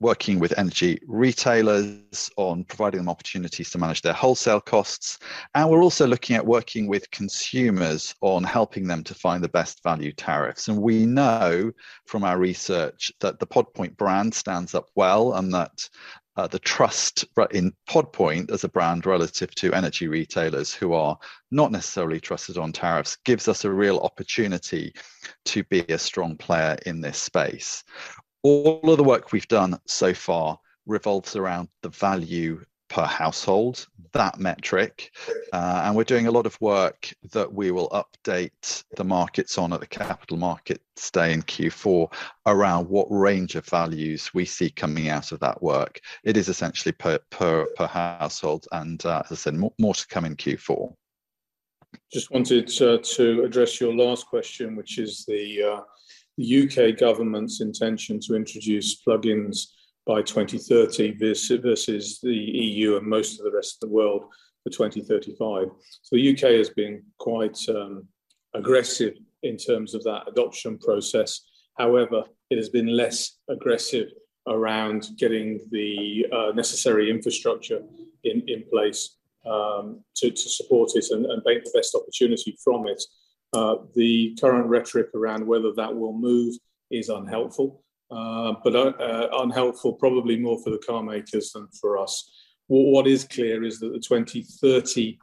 working with energy retailers on providing them opportunities to manage their wholesale costs, and we're also looking at working with consumers on helping them to find the best value tariffs. We know from our research that the Pod Point brand stands up well, and that, the trust, right, in Pod Point as a brand relative to energy retailers who are not necessarily trusted on tariffs, gives us a real opportunity to be a strong player in this space. All of the work we've done so far revolves around the value per household, that metric, and we're doing a lot of work that we will update the markets on at the Capital Markets Day in Q4, around what range of values we see coming out of that work. It is essentially per, per, per household, and, as I said, more, more to come in Q4. Just wanted to, to address your last question, which is the U.K. government's intention to introduce plug-ins by 2030, versus, versus the EU and most of the rest of the world for 2035. U.K. has been quite aggressive in terms of that adoption process. However, it has been less aggressive around getting the necessary infrastructure in, in place, to, to support it and, and make the best opportunity from it. The current rhetoric around whether that will move is unhelpful, but unhelpful probably more for the carmakers than for us. What, what is clear is that the 2030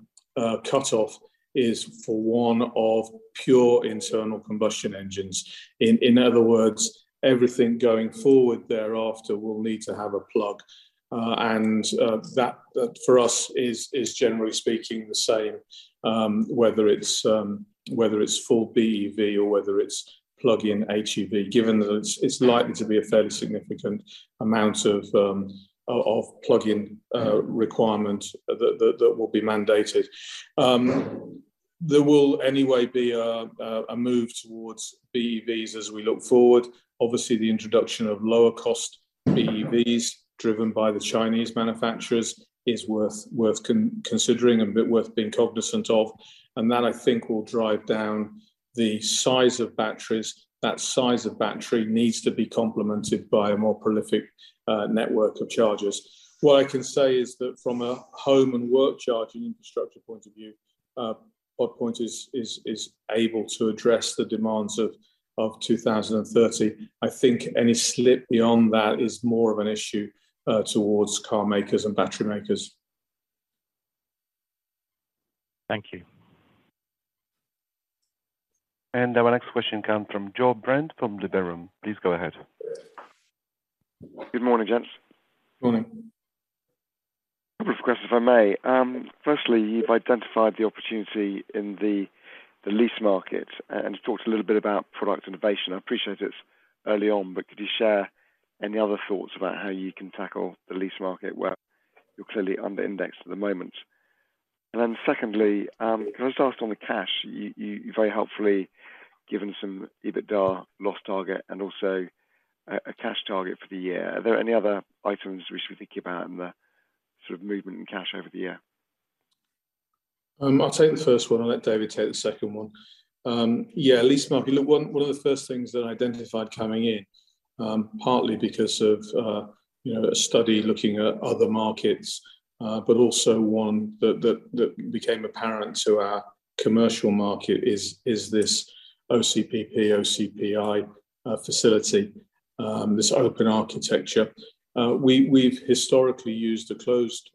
cutoff is for one of pure internal combustion engines. In, in other words, everything going forward thereafter will need to have a plug, and that for us is, is, generally speaking, the same. Whether it's, whether it's for BEV or whether it's plug-in PHEV, given that it's, it's likely to be a fairly significant amount of, of, of plug-in requirement that, that, that will be mandated. There will anyway be a, a, a move towards BEVs as we look forward. Obviously, the introduction of lower-cost BEVs, driven by the Chinese manufacturers, is worth, worth considering and worth being cognisant of, and that, I think, will drive down the size of batteries. That size of battery needs to be complemented by a more prolific network of chargers. What I can say is that from a home and work charging infrastructure point of view, Pod Point is, is, is able to address the demands of, of 2030. I think any slip beyond that is more of an issue towards carmakers and battery makers. Thank you. Our next question comes from Joe Brent, from the Berenberg. Please go ahead. Good morning, gents. Morning. Morning. Couple of questions, if I may. Firstly, you've identified the opportunity in the lease market, and you talked a little bit about product innovation. I appreciate it's early on, but could you share any other thoughts about how you can tackle the lease market, where you're clearly under indexed at the moment? Secondly, can I just ask on the cash, you very helpfully given some EBITDA loss target and also a cash target for the year. Are there any other items we should be thinking about in the sort of movement in cash over the year? I'll take the first one, let David take the second one. Yeah, lease market. One, one of the first things that I identified coming in, partly because of, you know, a study looking at other markets, also one that, that, that became apparent to our commercial market is, is this OCPP, OCPI, facility, this open architecture. We, we've historically used a closed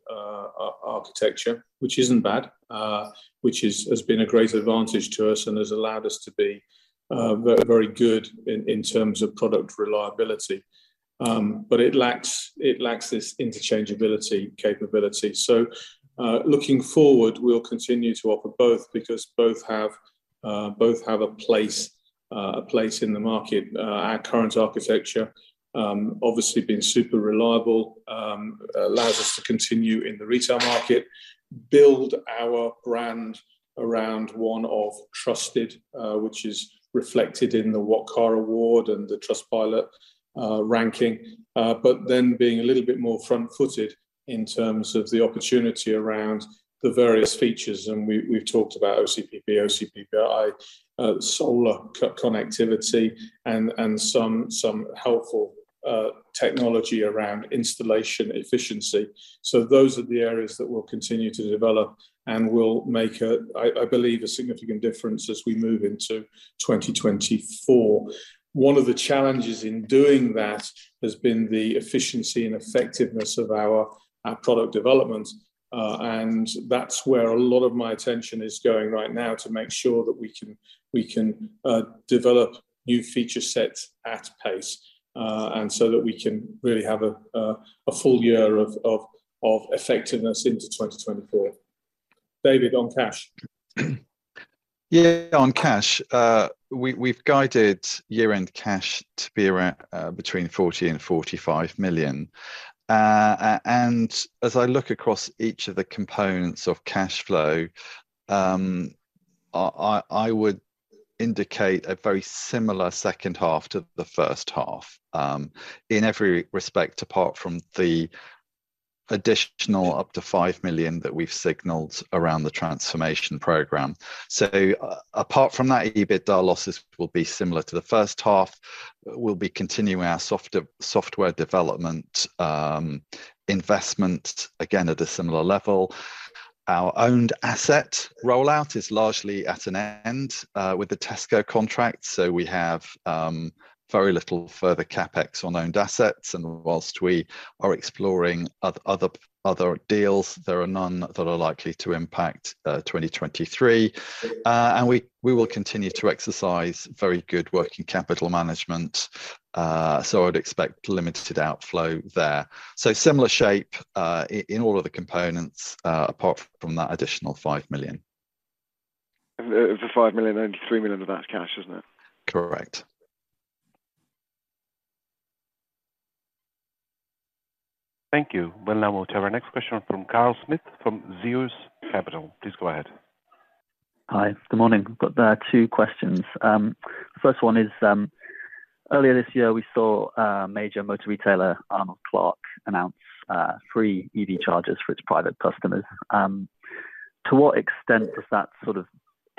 architecture, which isn't bad, which has been a great advantage to us and has allowed us to be very, very good in, in terms of product reliability. It lacks, it lacks this interchangeability capability. Looking forward, we'll continue to offer both because both have, both have a place, a place in the market. Uh, our current architecture, um, obviously being super reliable, um, allows us to continue in the retail market, build our brand around one of trusted, uh, which is reflected in the What Car award and the Trustpilot, uh, ranking. Uh, but then being a little bit more front-footed in terms of the opportunity around the various features, and we, we've talked about OCPP, OCPI, uh, solar c-connectivity and, and some, some helpful, uh, technology around installation efficiency. So those are the areas that we'll continue to develop and will make a, I, I believe, a significant difference as we move into twenty twenty-four. One of the challenges in doing that has been the efficiency and effectiveness of our product development, and that's where a lot of my attention is going right now to make sure that we can develop new feature sets at pace, and so that we can really have a full year of effectiveness into 2024. David, on cash. Yeah, on cash, we've guided year-end cash to be around between 40 million and 45 million. As I look across each of the components of cash flow, I, I, I would indicate a very similar second half to the first half in every respect, apart from the additional up to 5 million that we've signaled around the transformation program. Apart from that, EBITDA losses will be similar to the first half. We'll be continuing our software development investment, again, at a similar level. Our owned asset rollout is largely at an end with the Tesco contract, so we have very little further CapEx on owned assets, and whilst we are exploring other deals, there are none that are likely to impact 2023. We, we will continue to exercise very good working capital management, so I'd expect limited outflow there. Similar shape, in all of the components, apart from that additional 5 million. Of the 5 million, only 3 million of that is cash, isn't it? Correct. Thank you. We'll now move to our next question from Carl Smith, from Zeus Capital. Please go ahead. Hi. Good morning. Got two questions. First one is, earlier this year, we saw a major motor retailer, Arnold Clark, announce free EV charges for its private customers. To what extent does that sort of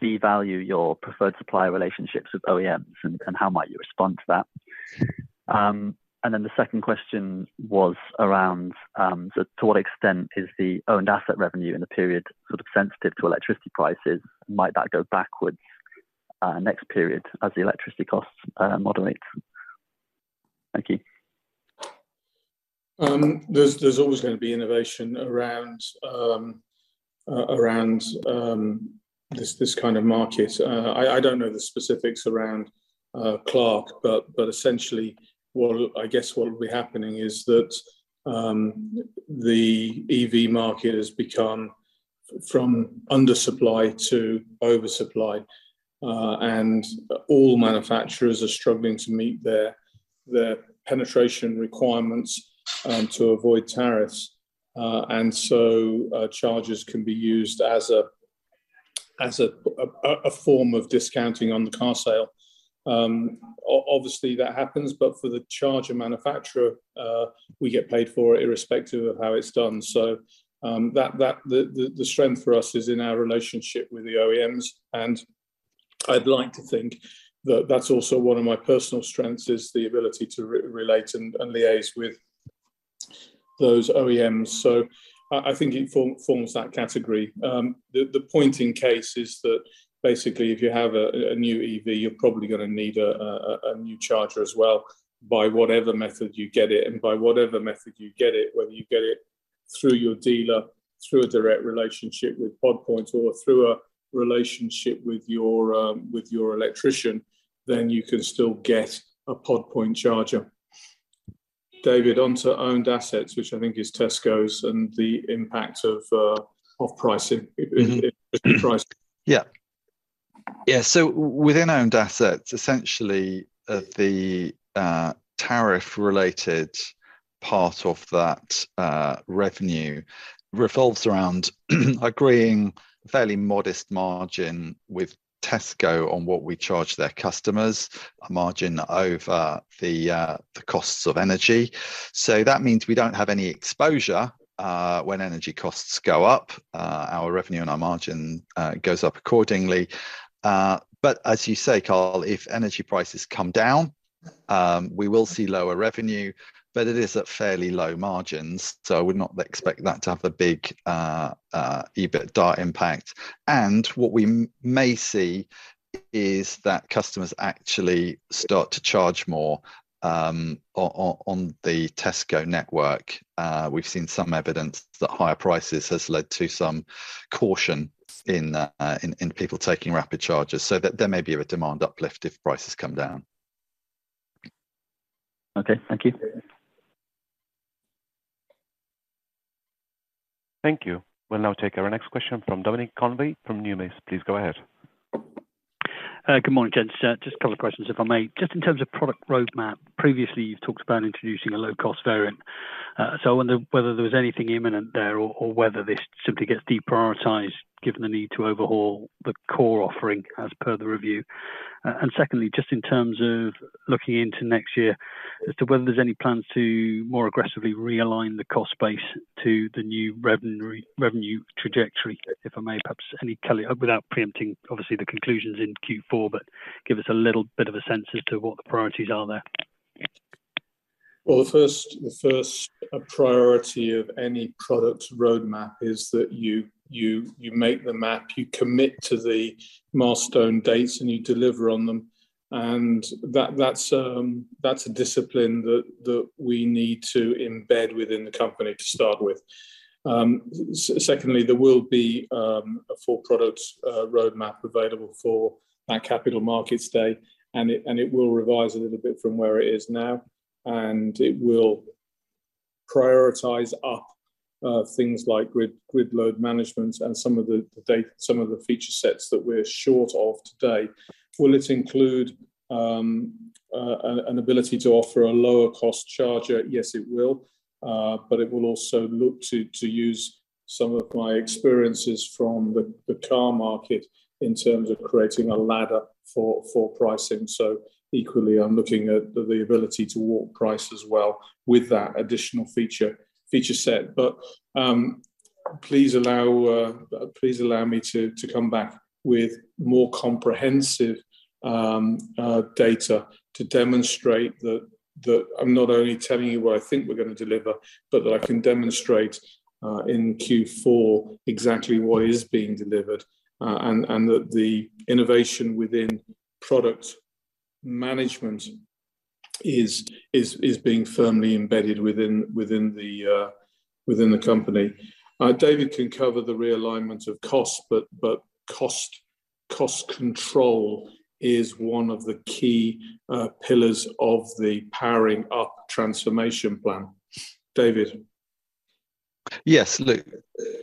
devalue your preferred supplier relationships with OEMs, and how might you respond to that? The second question was around, to what extent is the owned asset revenue in the period sort of sensitive to electricity prices? Might that go backwards next period as the electricity costs modulate? Thank you. There's, there's always gonna be innovation around, around this, this kind of market. I, I don't know the specifics around Clark, but, but essentially, I guess what will be happening is that the EV market has become from undersupply to oversupply, and all manufacturers are struggling to meet their, their penetration requirements to avoid tariffs. And so, charges can be used as a, as a form of discounting on the car sale. Obviously, that happens, but for the charger manufacturer, we get paid for it irrespective of how it's done. That, that, the, the, the strength for us is in our relationship with the OEMs, and I'd like to think that that's also one of my personal strengths, is the ability to re-relate and, and liaise with those OEMs. I, I think it forms that category. The, the point in case is that, basically, if you have a new EV, you're probably gonna need a new charger as well, by whatever method you get it. By whatever method you get it, whether you get it through your dealer, through a direct relationship with Pod Point or through a relationship with your, with your electrician, then you can still get a Pod Point charger. David, on to owned assets, which I think is Tesco's, and the impact of pricing, price. Yeah. Yeah, within owned assets, essentially, the tariff-related part of that revenue revolves around agreeing fairly modest margin with Tesco on what we charge their customers, a margin over the costs of energy. That means we don't have any exposure, when energy costs go up, our revenue and our margin goes up accordingly. As you say, Carl, if energy prices come down, we will see lower revenue, but it is at fairly low margins, so I would not expect that to have a big EBITDA impact. What we may see is that customers actually start to charge more on the Tesco network. We've seen some evidence that higher prices has led to some caution in people taking rapid charges. There may be a demand uplift if prices come down. Okay, thank you. Thank you. We'll now take our next question from Dominic Convey from Numis. Please go ahead. Good morning, gents. Just a couple of questions, if I may. Just in terms of product roadmap, previously, you've talked about introducing a low-cost variant. I wonder whether there was anything imminent there or, or whether this simply gets deprioritized, given the need to overhaul the core offering as per the review. Secondly, just in terms of looking into next year, as to whether there's any plans to more aggressively realign the cost base to the new revenue re- revenue trajectory, if I may. Perhaps, any color, without pre-empting, obviously, the conclusions in Q4, but give us a little bit of a sense as to what the priorities are there. Well, the first priority of any product roadmap is that you make the map, you commit to the milestone dates, and you deliver on them. And that's a discipline that we need to embed within the company to start with. Secondly, there will be a full product roadmap available for that Capital Markets Day, and it will revise a little bit from where it is now, and it will prioritize up things like grid load management and some of the feature sets that we're short of today. Will it include an ability to offer a lower cost charger? Yes, it will. It will also look to, to use some of my experiences from the, the car market in terms of creating a ladder for, for pricing. Equally, I'm looking at the ability to walk price as well with that additional feature, feature set. Please allow, please allow me to, to come back with more comprehensive data to demonstrate that, that I'm not only telling you what I think we're gonna deliver, but that I can demonstrate in Q4 exactly what is being delivered, and, and that the innovation within product management is, is, is being firmly embedded within, within the, within the company. David can cover the realignment of costs, cost, cost control is one of the key pillars of the Powering Up transformation plan. David? Yes, look,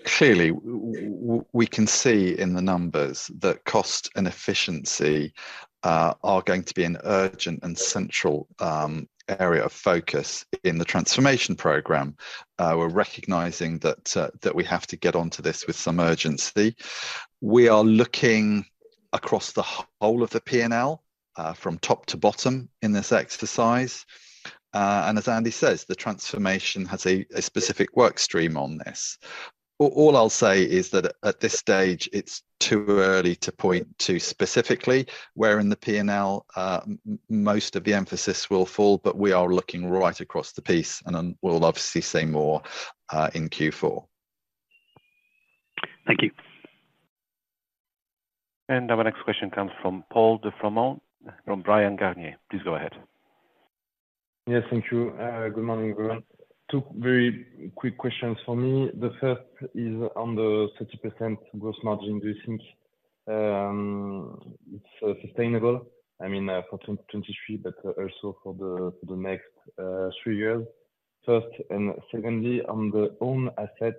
clearly, we can see in the numbers that cost and efficiency are going to be an urgent and central area of focus in the transformation program. We're recognizing that that we have to get onto this with some urgency. We are looking across the whole of the P&L from top to bottom in this exercise. As Andy says, the transformation has a specific work stream on this. All I'll say is that at this stage, it's too early to point to specifically where in the P&L most of the emphasis will fall, but we are looking right across the piece, and then we'll obviously say more in Q4. Thank you. Our next question comes from Paul de Froment, from Bryan, Garnier. Please go ahead. Yes, thank you. Good morning, everyone. Two very quick questions from me. The first is on the 30% gross margin. Do you think it's sustainable for 2023, but also for the next three years, first? Secondly, on the own asset,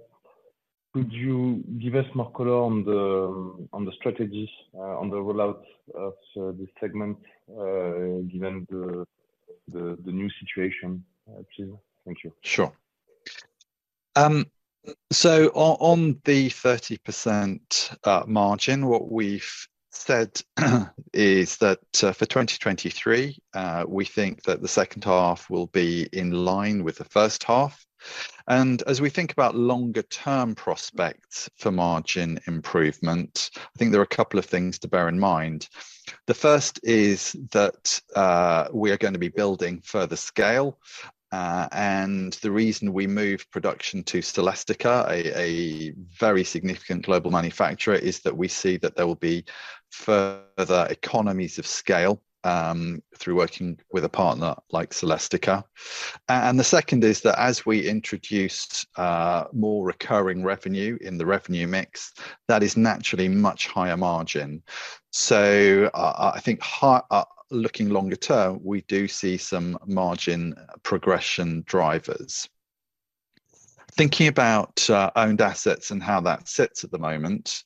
could you give us more color on the strategies on the rollout of this segment given the new situation? Please. Thank you. Sure. So on the 30% margin, what we've said, is that for 2023, we think that the second half will be in line with the first half. As we think about longer-term prospects for margin improvement, I think there are two things to bear in mind. The first is that we are gonna be building further scale, and the reason we moved production to Celestica, a very significant global manufacturer, is that we see that there will be further economies of scale through working with a partner like Celestica. The second is that as we introduce more recurring revenue in the revenue mix, that is naturally much higher margin. I think looking longer term, we do see some margin progression drivers. Thinking about owned assets and how that sits at the moment,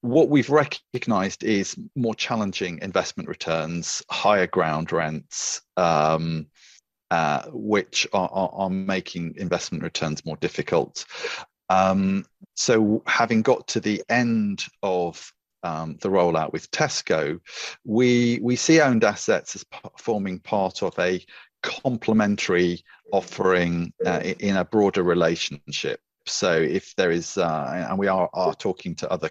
what we've recognized is more challenging investment returns, higher ground rents, which are making investment returns more difficult. Having got to the end of the rollout with Tesco, we see owned assets as forming part of a complementary offering in a broader relationship. If there is. We are talking to other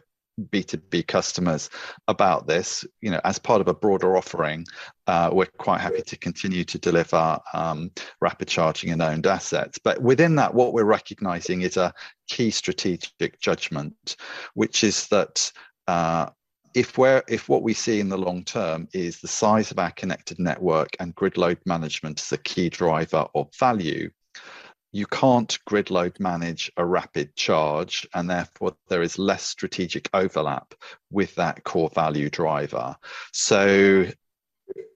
B2B customers about this, you know, as part of a broader offering, we're quite happy to continue to deliver rapid charging and owned assets. Within that, what we're recognizing is a key strategic judgment, which is that, if what we see in the long term is the size of our connected network and grid load management is the key driver of value, you can't grid load manage a rapid charge, and therefore, there is less strategic overlap with that core value driver.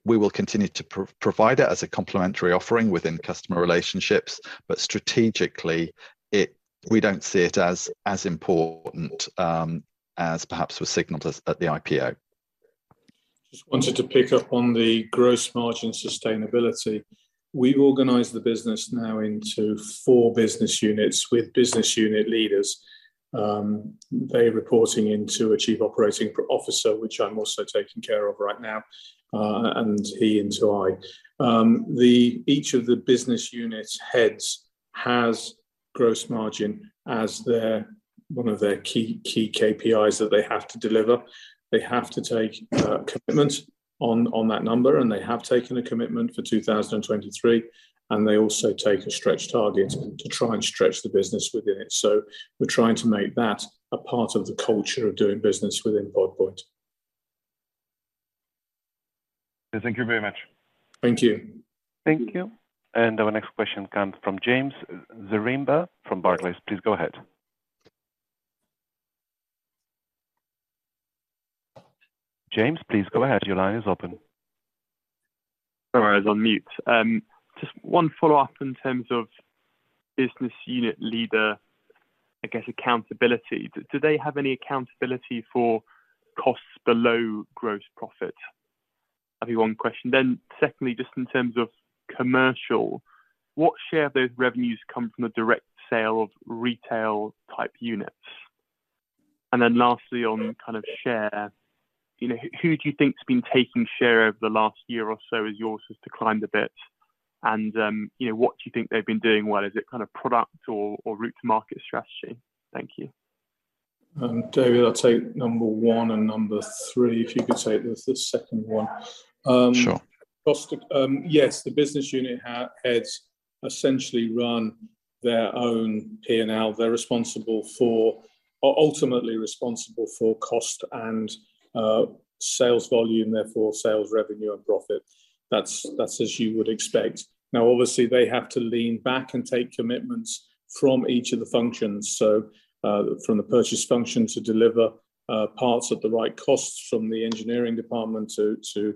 We will continue to provide it as a complementary offering within customer relationships, but strategically, we don't see it as, as important, as perhaps was signaled as at the IPO. Just wanted to pick up on the gross margin sustainability. We've organized the business now into four business units with business unit leaders, they reporting into a chief operating officer, which I'm also taking care of right now, and he into I. The each of the business units heads has gross margin as their one of their key KPIs that they have to deliver. They have to take commitment on that number, and they have taken a commitment for 2023, and they also take a stretch target to try and stretch the business within it. We're trying to make that a part of the culture of doing business within Pod Point. Thank you very much. Thank you. Thank you. Our next question comes from James Zaremba from Barclays. Please go ahead. James, please go ahead. Your line is open. Sorry, I was on mute. Just one follow-up in terms of business unit leader, I guess, accountability. Do they have any accountability for costs below gross profit? That'd be one question. Secondly, just in terms of commercial, what share of those revenues come from the direct sale of retail-type units? Lastly, on kind of share, you know, who do you think's been taking share over the last year or so as yours has declined a bit? You know, what do you think they've been doing well? Is it kind of product or route to market strategy? Thank you. David, I'll take number one and number three, if you could take the, the second one. Sure. Cost of. Yes, the business unit heads essentially run their own P&L. They're responsible for or ultimately responsible for cost and sales volume, therefore, sales revenue and profit. That's, that's as you would expect. Obviously, they have to lean back and take commitments from each of the functions, so from the purchase function to deliver parts at the right costs from the engineering department to, to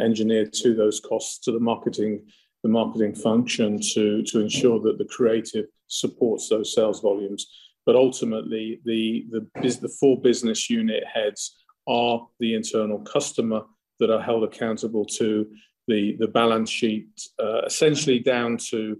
engineer to those costs, to the marketing, the marketing function, to, to ensure that the creative supports those sales volumes. Ultimately, the, the, the four business unit heads are the internal customer that are held accountable to the, the balance sheet, essentially down to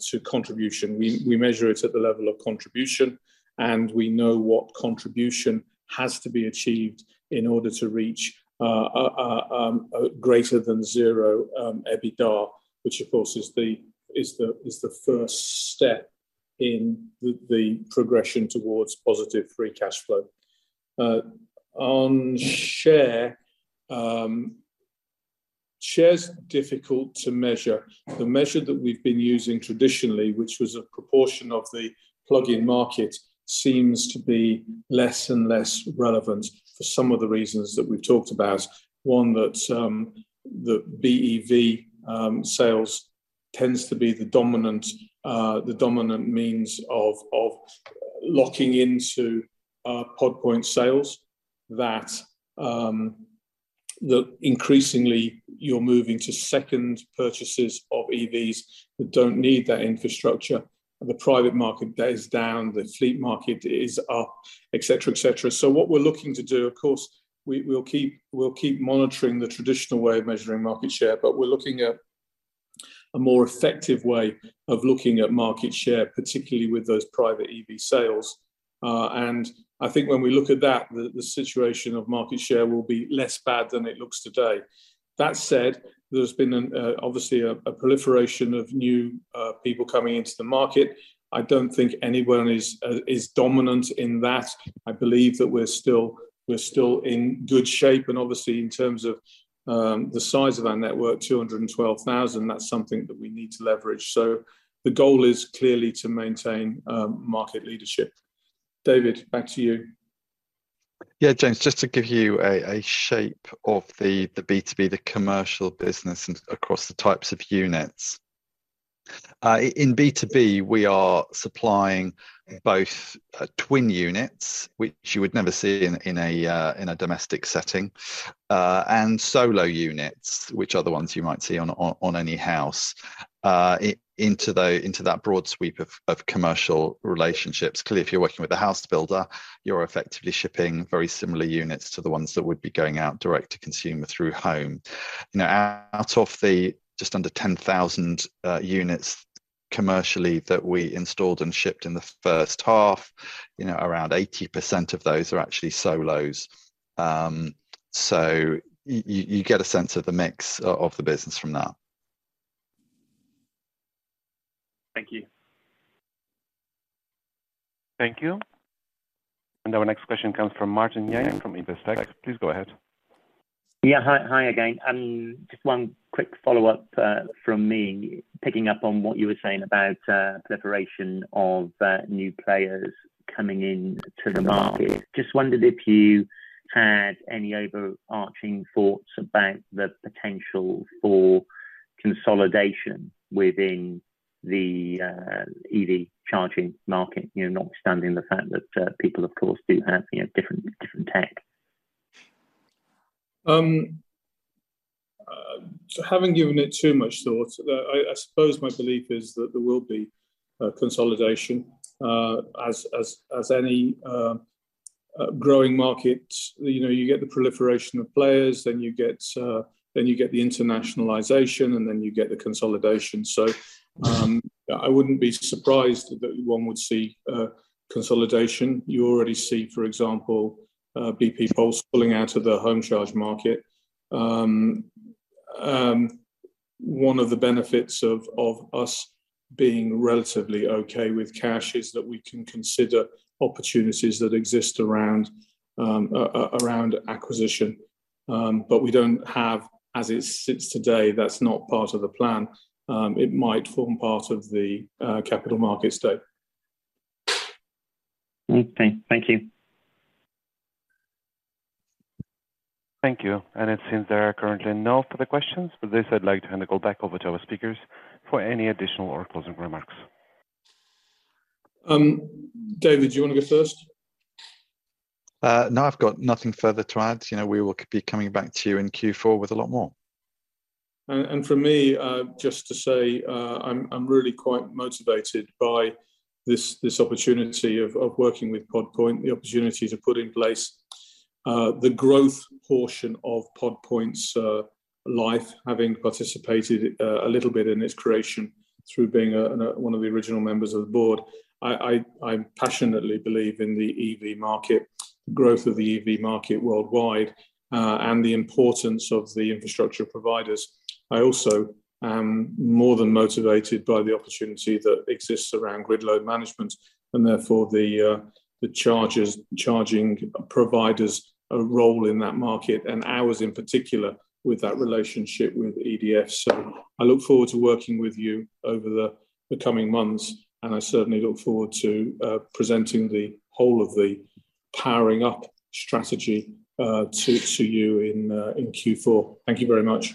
to contribution. We, we measure it at the level of contribution. We know what contribution has to be achieved in order to reach a greater than zero EBITDA, which of course is the, is the, is the first step in the, the progression towards positive free cash flow. On share, share's difficult to measure. The measure that we've been using traditionally, which was a proportion of the plugin market, seems to be less and less relevant for some of the reasons that we've talked about. One that, the BEV sales tends to be the dominant, the dominant means of, of locking into Pod Point sales, that, the increasingly you're moving to second purchases of EVs that don't need that infrastructure. The private market is down, the fleet market is up, et cetera, et cetera. What we're looking to do, of course, we, we'll keep, we'll keep monitoring the traditional way of measuring market share, but we're looking at a more effective way of looking at market share, particularly with those private EV sales. I think when we look at that, the, the situation of market share will be less bad than it looks today. That said, there's been an, obviously, a proliferation of new people coming into the market. I don't think anyone is, is dominant in that. I believe that we're still, we're still in good shape, and obviously, in terms of the size of our network, 212,000, that's something that we need to leverage. The goal is clearly to maintain market leadership. David, back to you. Yeah, James, just to give you a shape of the B2B, the commercial business and across the types of units. In B2B, we are supplying both twin units, which you would never see in a domestic setting, and solo units, which are the ones you might see on any house, into the, into that broad sweep of commercial relationships. Clearly, if you're working with a house builder, you're effectively shipping very similar units to the ones that would be going out direct to consumer through home. You know, out of the just under 10,000 units commercially that we installed and shipped in the first half, you know, around 80% of those are actually solos. You get a sense of the mix of the business from that. Thank you. Thank you. Our next question comes from Martin Young from Investec. Please go ahead. Yeah. Hi, hi again. Just one quick follow-up from me, picking up on what you were saying about proliferation of new players coming into the market. Just wondered if you had any overarching thoughts about the potential for consolidation within the EV charging market, you know, notwithstanding the fact that people, of course, do have, you know, different, different tech? Haven't given it too much thought. I, I suppose my belief is that there will be consolidation as, as, as any growing market. You know, you get the proliferation of players, then you get then you get the internationalization, and then you get the consolidation. I wouldn't be surprised that one would see consolidation. You already see, for example, BP Pulse pulling out of the home charge market. One of the benefits of, of us being relatively okay with cash is that we can consider opportunities that exist around acquisition. As it sits today, that's not part of the plan. It might form part of the capital market state. Okay. Thank you. Thank you. It seems there are currently no further questions, for this I'd like to hand it back over to our speakers for any additional or closing remarks. David, do you wanna go first? No, I've got nothing further to add. You know, we will be coming back to you in Q4 with a lot more. For me, just to say, I'm, I'm really quite motivated by this, this opportunity of, of working with Pod Point, the opportunity to put in place the growth portion of Pod Point's life, having participated a little bit in its creation through being one of the original members of the board. I, I, I passionately believe in the EV market, growth of the EV market worldwide, and the importance of the infrastructure providers. I also am more than motivated by the opportunity that exists around grid load management and therefore the charging providers' role in that market, and ours, in particular, with that relationship with EDF. I look forward to working with you over the, the coming months, and I certainly look forward to presenting the whole of the Powering Up strategy to, to you in Q4. Thank you very much.